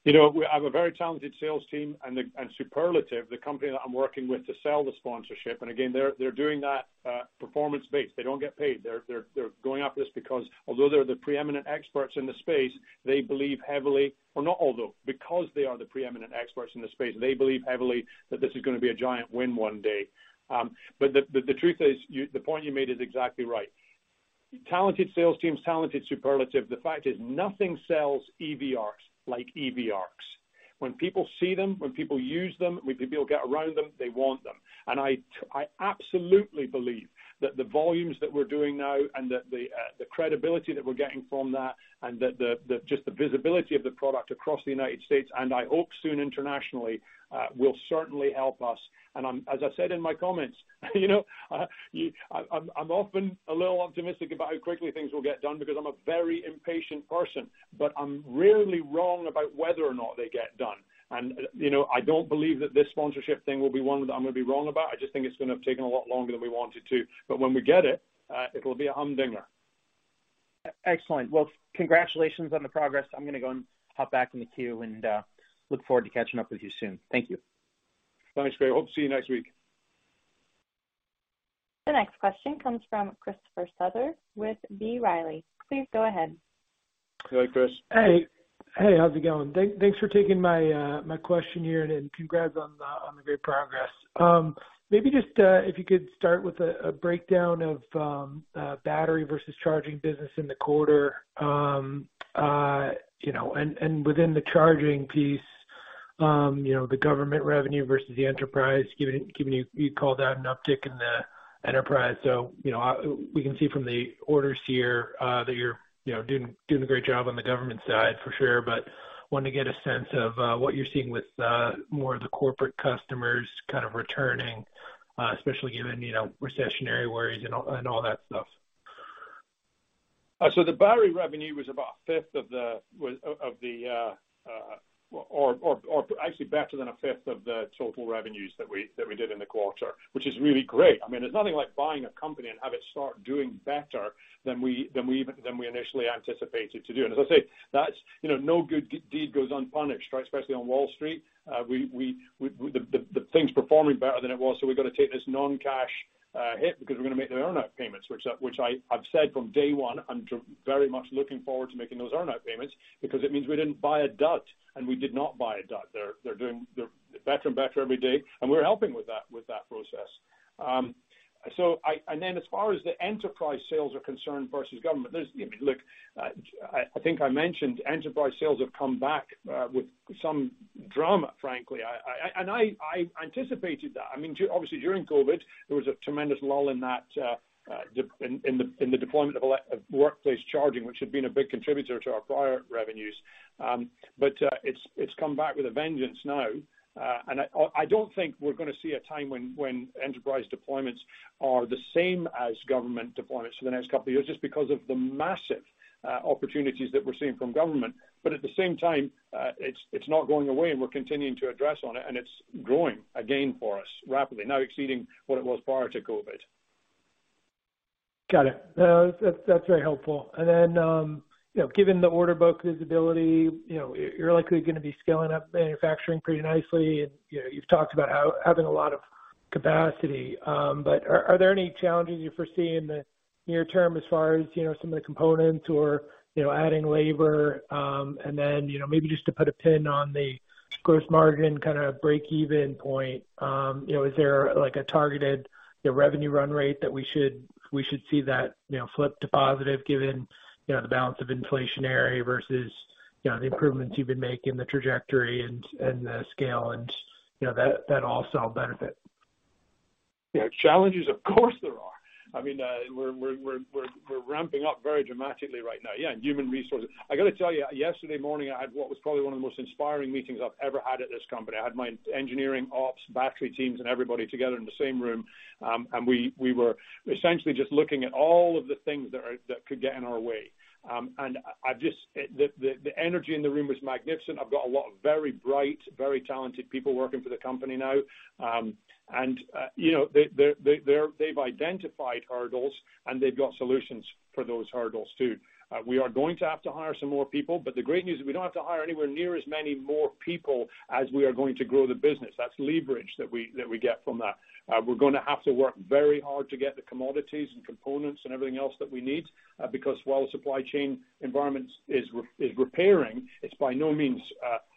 You know, we have a very talented sales team and Superlative, the company that I'm working with to sell the sponsorship. Again, they're doing that performance-based. They don't get paid. They're going after this because although they're the preeminent experts in the space, they believe heavily that this is gonna be a giant win one day. The truth is, the point you made is exactly right. Talented sales teams, talented Superlative. The fact is nothing sells EV ARC like EV ARC. When people see them, when people use them, when people get around them, they want them. I absolutely believe that the volumes that we're doing now and that the credibility that we're getting from that and that the just the visibility of the product across the United States, and I hope soon internationally, will certainly help us. I'm as I said in my comments, you know, I'm often a little optimistic about how quickly things will get done because I'm a very impatient person, but I'm rarely wrong about whether or not they get done. You know, I don't believe that this sponsorship thing will be one that I'm gonna be wrong about. I just think it's gonna have taken a lot longer than we want it to. When we get it will be a humdinger. Excellent. Well, congratulations on the progress. I'm gonna go and hop back in the queue and look forward to catching up with you soon. Thank you. Thanks, Craig. Hope to see you next week. The next question comes from Christopher Souther with B. Riley. Please go ahead. Hello, Chris. Hey. Hey, how's it going? Thanks for taking my question here, and congrats on the great progress. Maybe just if you could start with a breakdown of battery versus charging business in the quarter. You know, and within the charging piece, you know, the government revenue versus the enterprise, given you called out an uptick in the enterprise. You know, we can see from the orders here that you're, you know, doing a great job on the government side for sure, but wanted to get a sense of what you're seeing with more of the corporate customers kind of returning, especially given, you know, recessionary worries and all that stuff. The battery revenue was about a fifth of the total revenues that we did in the quarter, which is really great. I mean, there's nothing like buying a company and have it start doing better than we even initially anticipated to do. As I say, you know, no good deed goes unpunished, right? Especially on Wall Street. We the thing's performing better than it was. We've got to take this non-cash hit because we're gonna make the earn-out payments, which I've said from day one, I'm very much looking forward to making those earn-out payments because it means we didn't buy a dud and we did not buy a dud. They're doing better and better every day and we're helping with that process. As far as the enterprise sales are concerned versus government, there's. I mean, look, I think I mentioned enterprise sales have come back with some drama, frankly. I anticipated that. I mean, obviously during COVID, there was a tremendous lull in the deployment of workplace charging, which had been a big contributor to our prior revenues. It's come back with a vengeance now. I don't think we're gonna see a time when enterprise deployments are the same as government deployments for the next couple of years just because of the massive opportunities that we're seeing from government. At the same time, it's not going away and we're continuing to address on it and it's growing again for us rapidly now exceeding what it was prior to COVID. Got it. No, that's very helpful. Given the order book visibility, you know, you're likely gonna be scaling up manufacturing pretty nicely. You know, you've talked about having a lot of capacity. But are there any challenges you foresee in the near term as far as, you know, some of the components or, you know, adding labor? And then, you know, maybe just to put a pin on the gross margin kind of break-even point, you know, is there like a targeted, you know, revenue run rate that we should see that, you know, flip to positive given, you know, the balance of inflationary versus, you know, the improvements you've been making, the trajectory and the scale and, you know, that AllCell benefit? You know, challenges, of course there are. I mean, we're ramping up very dramatically right now. Yeah, human resources. I gotta tell you, yesterday morning I had what was probably one of the most inspiring meetings I've ever had at this company. I had my engineering, ops, battery teams and everybody together in the same room. We were essentially just looking at all of the things that could get in our way. I've just. The energy in the room was magnificent. I've got a lot of very bright, very talented people working for the company now. You know, they've identified hurdles and they've got solutions for those hurdles too. We are going to have to hire some more people, but the great news is we don't have to hire anywhere near as many more people as we are going to grow the business. That's leverage that we get from that. We're gonna have to work very hard to get the commodities and components and everything else that we need, because while the supply chain environment is repairing, it's by no means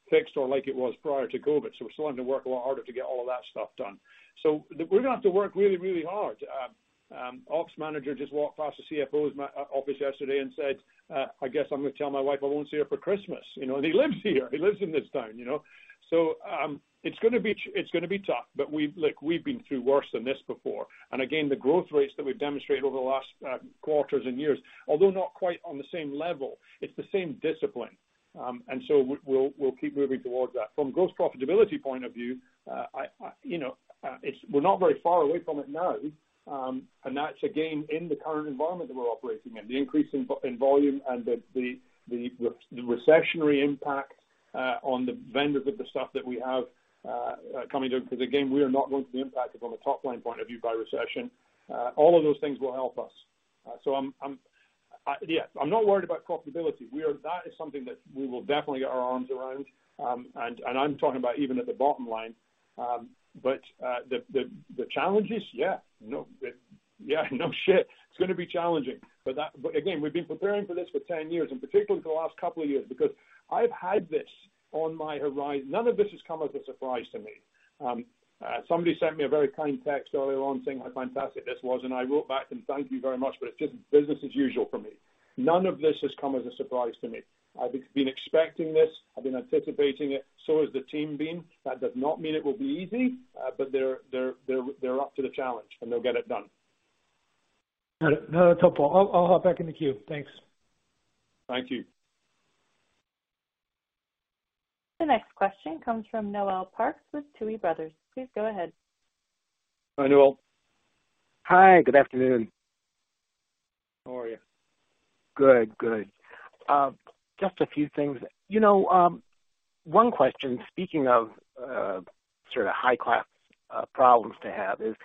fixed or like it was prior to COVID. We still have to work a lot harder to get all of that stuff done. We're gonna have to work really, really hard. Ops manager just walked past the CFO's office yesterday and said, "I guess I'm gonna tell my wife I won't see her for Christmas." You know, and he lives here. He lives in this town, you know? It's gonna be tough, but look, we've been through worse than this before. Again, the growth rates that we've demonstrated over the last quarters and years, although not quite on the same level, it's the same discipline. We'll keep moving towards that. From gross profitability point of view, you know, we're not very far away from it now, and that's again, in the current environment that we're operating in. The increase in volume and the recessionary impact on the vendors with the stuff that we have coming through, because again, we are not going to be impacted from a top-line point of view by recession. All of those things will help us. Yeah, I'm not worried about profitability. That is something that we will definitely get our arms around. I'm talking about even at the bottom line. The challenges, yeah, no, yeah, it's gonna be challenging. Again, we've been preparing for this for 10 years, and particularly for the last couple of years, because I've had this on my horizon. None of this has come as a surprise to me. Somebody sent me a very kind text early on saying how fantastic this was, and I wrote back and thanked you very much, but it's just business as usual for me. None of this has come as a surprise to me. I've been expecting this. I've been anticipating it. Has the team been. That does not mean it will be easy, but they're up to the challenge, and they'll get it done. No, no, that's helpful. I'll hop back in the queue. Thanks. Thank you. The next question comes from Noel Parks with Tuohy Brothers. Please go ahead. Hi, Noel. Hi, good afternoon. How are you? Good. Just a few things. You know, one question, speaking of sort of high-class problems to have is,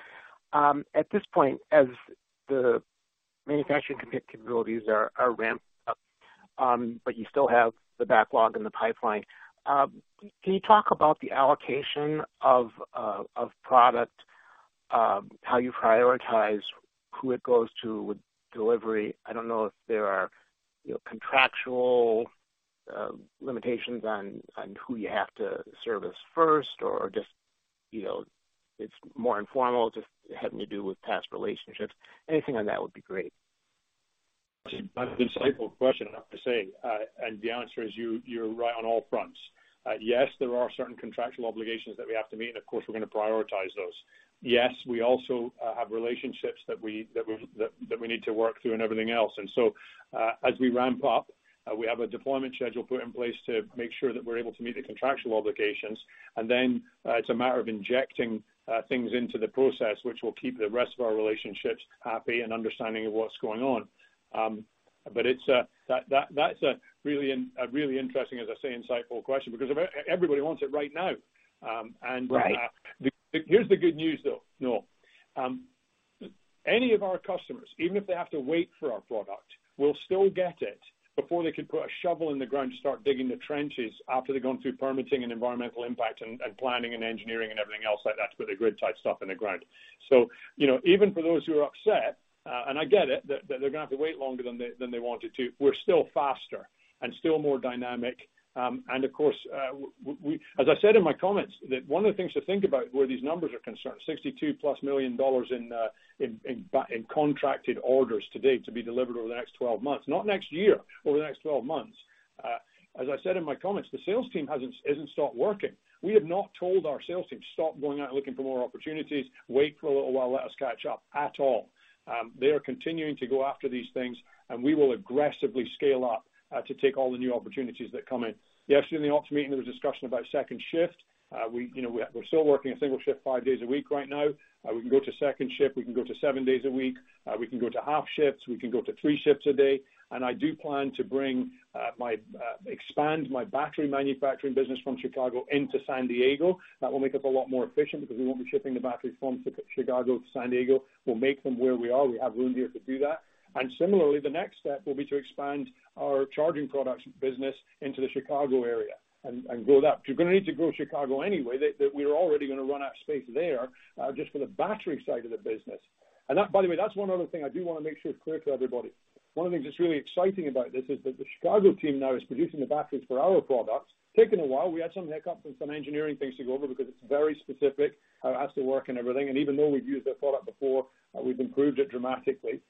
at this point, as the manufacturing capabilities are ramped up, but you still have the backlog in the pipeline, can you talk about the allocation of product, how you prioritize who it goes to with delivery? I don't know if there are, you know, contractual limitations on who you have to service first or just, you know, it's more informal, just having to do with past relationships. Anything on that would be great. That's an insightful question, I have to say. The answer is you're right on all fronts. Yes, there are certain contractual obligations that we have to meet, and of course, we're gonna prioritize those. Yes, we also have relationships that we need to work through and everything else. As we ramp up, we have a deployment schedule put in place to make sure that we're able to meet the contractual obligations. It's a matter of injecting things into the process which will keep the rest of our relationships happy and understanding of what's going on. That's a really interesting, as I say, insightful question because everybody wants it right now. Right. Here's the good news, though, Noel. Any of our customers, even if they have to wait for our product, will still get it before they could put a shovel in the ground to start digging the trenches after they've gone through permitting and environmental impact and planning and engineering and everything else like that to put the grid-tied stuff in the ground. You know, even for those who are upset and I get it, that they're gonna have to wait longer than they wanted to, we're still faster and still more dynamic. Of course, as I said in my comments, one of the things to think about where these numbers are concerned, $62+ million in contracted orders to date to be delivered over the next 12 months. Not next year, over the next 12 months. As I said in my comments, the sales team hasn't stopped working. We have not told our sales team, "Stop going out and looking for more opportunities, wait for a little while, let us catch up," at all. They are continuing to go after these things, and we will aggressively scale up to take all the new opportunities that come in. Yesterday in the ops meeting, there was a discussion about second shift. You know, we're still working a single shift five days a week right now. We can go to second shift. We can go to seven days a week. We can go to half shifts. We can go to three shifts a day. I do plan to expand my battery manufacturing business from Chicago into San Diego. That will make us a lot more efficient because we won't be shipping the batteries from Chicago to San Diego. We'll make them where we are. We have room here to do that. Similarly, the next step will be to expand our charging products business into the Chicago area and build up. You're gonna need to grow Chicago anyway that we're already gonna run out of space there just for the battery side of the business. That, by the way, that's one other thing I do wanna make sure is clear to everybody. One of the things that's really exciting about this is that the Chicago team now is producing the batteries for our products. Taken a while. We had some hiccups and some engineering things to go over because it's very specific how it has to work and everything. Even though we've used their product before, we've improved it dramatically.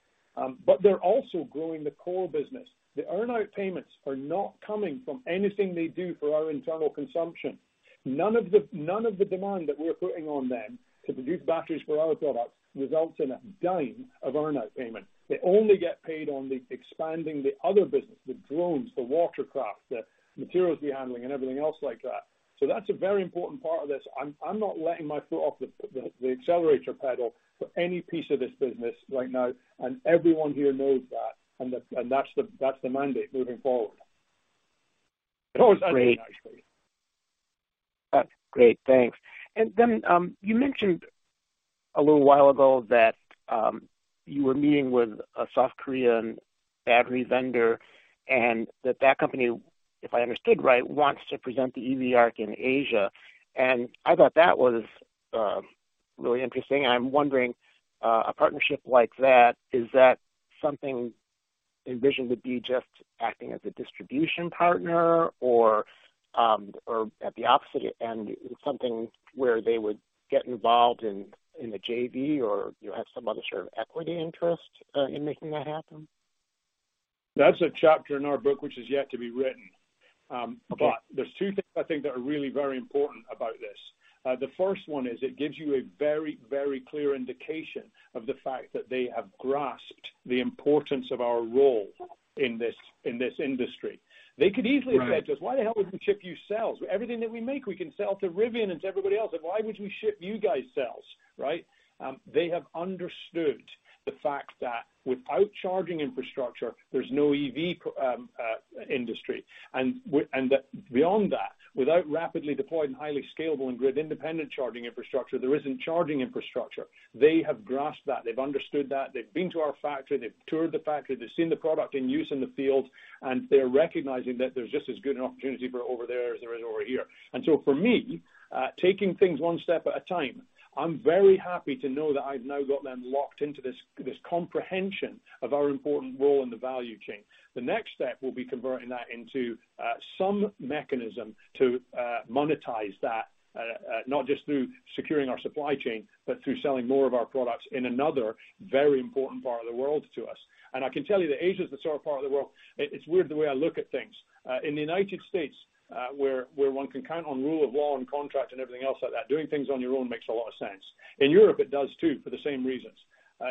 They're also growing the core business. The earn-out payments are not coming from anything they do for our internal consumption. None of the demand that we're putting on them to produce batteries for our products results in a dime of earn-out payment. They only get paid on the expanding the other business, the drones, the watercraft, the materials we're handling, and everything else like that. That's a very important part of this. I'm not letting my foot off the accelerator pedal for any piece of this business right now, and everyone here knows that, and that's the mandate moving forward. That was great. That's great. Thanks. You mentioned a little while ago that you were meeting with a South Korean battery vendor and that that company, if I understood right, wants to present the EV ARC in Asia. I thought that was really interesting. I'm wondering, a partnership like that, is that something? Envisioned to be just acting as a distribution partner or at the opposite end, something where they would get involved in the JV or you have some other sort of equity interest in making that happen? That's a chapter in our book which is yet to be written. Okay. There's two things I think that are really very important about this. The first one is it gives you a very, very clear indication of the fact that they have grasped the importance of our role in this industry. Right. They could easily have said to us, "Why the hell would we ship you cells? Everything that we make, we can sell to Rivian and to everybody else. And why would we ship you guys cells, right?" They have understood the fact that without charging infrastructure, there's no EV industry. That beyond that, without rapidly deployed and highly scalable and grid independent charging infrastructure, there isn't charging infrastructure. They have grasped that. They've understood that. They've been to our factory, they've toured the factory, they've seen the product in use in the field, and they're recognizing that there's just as good an opportunity for over there as there is over here. For me, taking things one step at a time, I'm very happy to know that I've now got them locked into this comprehension of our important role in the value chain. The next step will be converting that into some mechanism to monetize that, not just through securing our supply chain, but through selling more of our products in another very important part of the world to us. I can tell you that Asia is the sort of part of the world. It's weird the way I look at things. In the United States, where one can count on rule of law and contract and everything else like that, doing things on your own makes a lot of sense. In Europe, it does too, for the same reasons.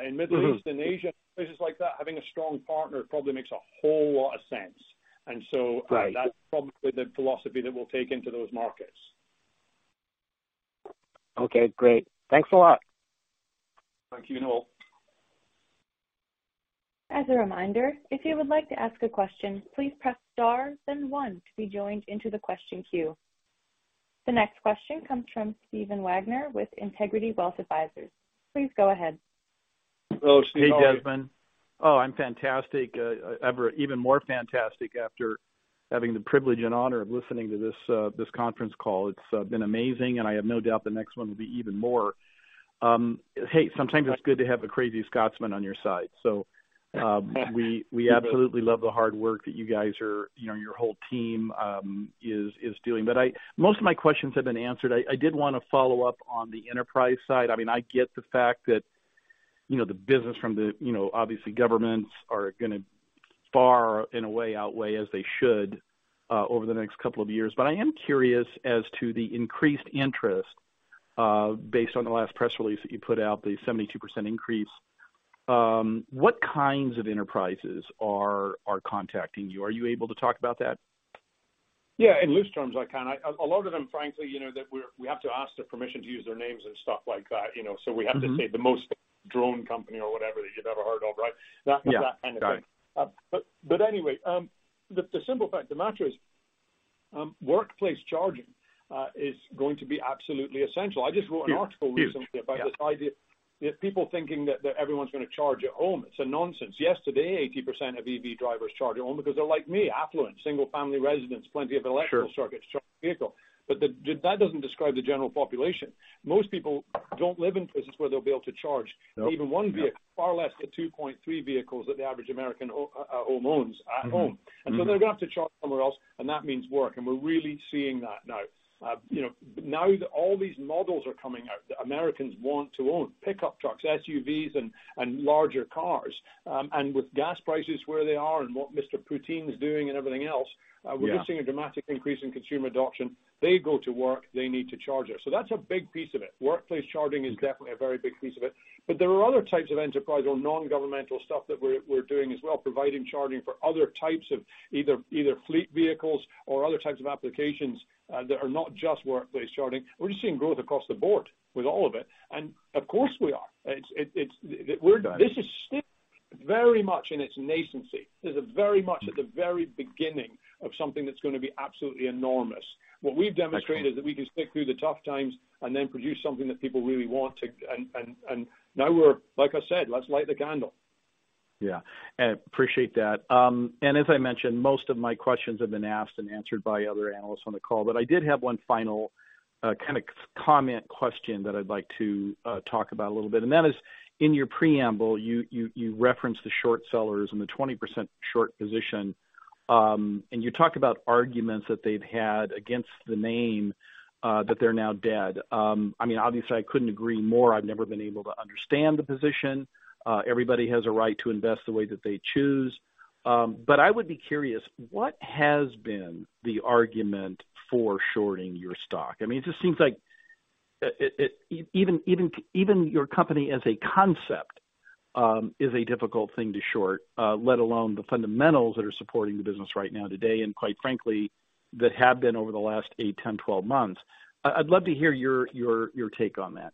In the Middle East. Mm-hmm. Asia, places like that, having a strong partner probably makes a whole lot of sense. Right. That's probably the philosophy that we'll take into those markets. Okay, great. Thanks a lot. Thank you, Noel. As a reminder, if you would like to ask a question, please press star then one to be joined into the question queue. The next question comes from Stephen Wagner with Integrity Wealth Advisors. Please go ahead. Hello, Stephen. How are you? Hey, Desmond. Oh, I'm fantastic. Even more fantastic after having the privilege and honor of listening to this conference call. It's been amazing, and I have no doubt the next one will be even more. Hey, sometimes it's good to have a crazy Scotsman on your side. We absolutely love the hard work that you guys are, you know, your whole team is doing. Most of my questions have been answered. I did wanna follow up on the enterprise side. I mean, I get the fact that, you know, the business from the, you know, obviously governments are gonna by far, in a way, outweigh as they should over the next couple of years. I am curious as to the increased interest, based on the last press release that you put out, the 72% increase. What kinds of enterprises are contacting you? Are you able to talk about that? Yeah, in loose terms, I can. A lot of them, frankly, you know, we have to ask their permission to use their names and stuff like that, you know. Mm-hmm. We have to say the most drone company or whatever that you've ever heard of, right? Yeah. Got it. That kind of thing. Anyway, the simple fact of the matter is, workplace charging is going to be absolutely essential. Huge. Yeah. I just wrote an article recently about this idea. You have people thinking that everyone's gonna charge at home. It's a nonsense. Yes, today, 80% of EV drivers charge at home because they're like me, affluent, single-family residents, plenty of electrical circuits. Sure. To charge their vehicle. That doesn't describe the general population. Most people don't live in places where they'll be able to charge- Nope. Even one vehicle, far less the 2.3 vehicles that the average American owns at home. Mm-hmm. Mm-hmm. They're gonna have to charge somewhere else, and that means work. We're really seeing that now. You know, now that all these models are coming out that Americans want to own, pickup trucks, SUVs, and larger cars, and with gas prices where they are and what Mr. Putin is doing and everything else. Yeah. We're seeing a dramatic increase in consumer adoption. They go to work, they need to charge there. That's a big piece of it. Workplace charging is definitely a very big piece of it. There are other types of enterprise or non-governmental stuff that we're doing as well, providing charging for other types of either fleet vehicles or other types of applications that are not just workplace charging. We're just seeing growth across the board with all of it. Of course, we are. Got it. This is still very much in its nascency. This is very much at the very beginning of something that's gonna be absolutely enormous. Excellent. What we've demonstrated that we can stick through the tough times and then produce something that people really want to. Now we're, like I said, let's light the candle. Yeah. Appreciate that. As I mentioned, most of my questions have been asked and answered by other analysts on the call. I did have one final kinda comment question that I'd like to talk about a little bit, and that is in your preamble, you referenced the short sellers and the 20% short position. You talked about arguments that they've had against the name that they're now dead. I mean, obviously, I couldn't agree more. I've never been able to understand the position. Everybody has a right to invest the way that they choose. I would be curious, what has been the argument for shorting your stock? I mean, it just seems like even your company as a concept is a difficult thing to short, let alone the fundamentals that are supporting the business right now today, and quite frankly, that have been over the last eight, 10, 12 months. I'd love to hear your take on that.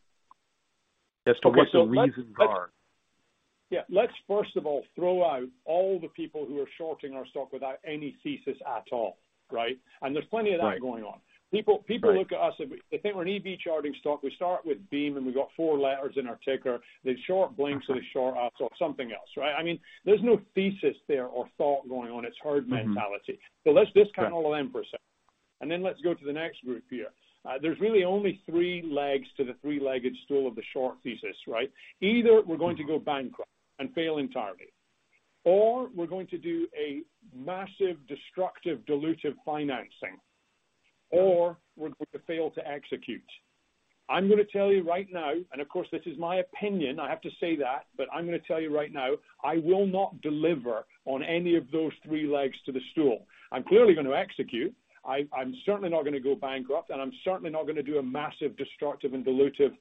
As to what the reasons are. Let's first of all throw out all the people who are shorting our stock without any thesis at all, right? There's plenty of that going on. Right. Right. People look at us and they think we're an EV charging stock. We start with Beam, and we got four letters in our ticker. They short Blink, or they short us or something else, right? I mean, there's no thesis there or thought going on. It's herd mentality. Mm-hmm. Let's discount all of them for a second. Then let's go to the next group here. There's really only three legs to the three-legged stool of the short thesis, right? Either we're going to go bankrupt and fail entirely, or we're going to do a massive destructive, dilutive financing, or we're going to fail to execute. I'm gonna tell you right now, and of course, this is my opinion, I have to say that, but I'm gonna tell you right now, I will not deliver on any of those three legs to the stool. I'm clearly gonna execute. I'm certainly not gonna go bankrupt, and I'm certainly not gonna do a massive destructive and dilutive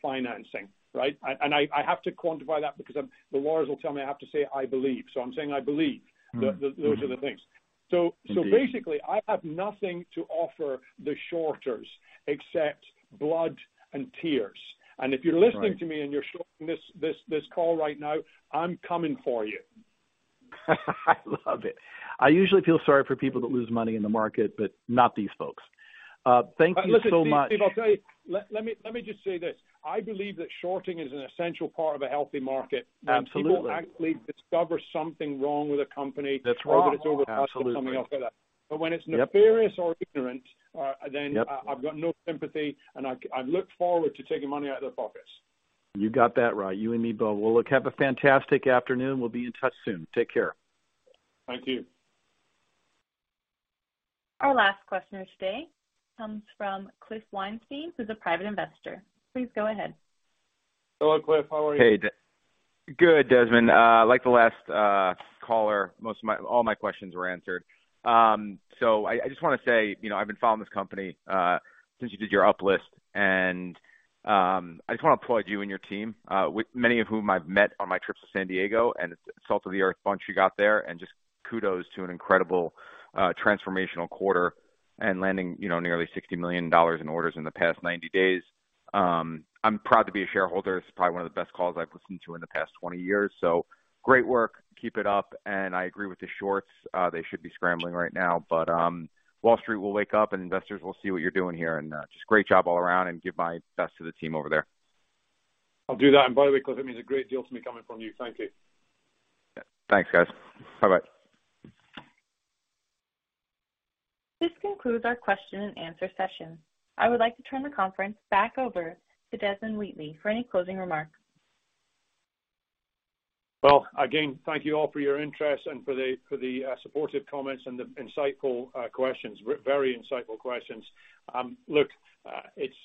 financing, right? I have to quantify that because the lawyers will tell me I have to say I believe. I'm saying I believe. Mm-hmm. Those are the things. Indeed. Basically, I have nothing to offer the shorters except blood and tears. That's right. If you're listening to me and you're shorting this call right now, I'm coming for you. I love it. I usually feel sorry for people that lose money in the market, but not these folks. Thank you so much. Listen, Steve. Steve, I'll tell you. Let me just say this. I believe that shorting is an essential part of a healthy market. Absolutely. People actually discover something wrong with a company. That's wrong. Absolutely. or that it's overpriced or something else like that. When it's- Yep. nefarious or ignorant, then Yep. I've got no sympathy, and I look forward to taking money out of their pockets. You got that right. You and me both. Well, look, have a fantastic afternoon. We'll be in touch soon. Take care. Thank you. Our last question today comes from Cliff Weinstein, who's a Private Investor. Please go ahead. Hello, Cliff. How are you? Hey, Desmond. Good, Desmond. Like the last caller, all my questions were answered. I just wanna say, you know, I've been following this company since you did your uplisting. I just wanna applaud you and your team, with many of whom I've met on my trips to San Diego, and it's a salt of the earth bunch you got there and just kudos to an incredible transformational quarter and landing, you know, nearly $60 million in orders in the past 90 days. I'm proud to be a shareholder. It's probably one of the best calls I've listened to in the past 20 years, so great work. Keep it up. I agree with the shorts. They should be scrambling right now. Wall Street will wake up, and investors will see what you're doing here. Just great job all around and give my best to the team over there. I'll do that. By the way, Cliff, it means a great deal to me coming from you. Thank you. Yeah. Thanks, guys. Bye-bye. This concludes our question-and-answer session. I would like to turn the conference back over to Desmond Wheatley for any closing remarks. Well, again, thank you all for your interest and for the supportive comments and the insightful questions. Very insightful questions. Look, it's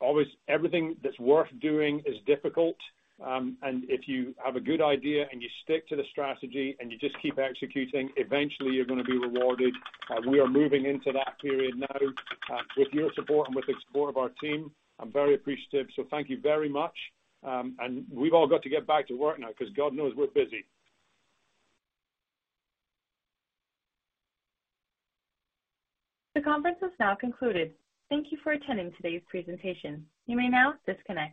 always everything that's worth doing is difficult. If you have a good idea and you stick to the strategy and you just keep executing, eventually you're gonna be rewarded. We are moving into that period now, with your support and with the support of our team. I'm very appreciative. Thank you very much. We've all got to get back to work now because God knows we're busy. The conference has now concluded. Thank you for attending today's presentation. You may now disconnect.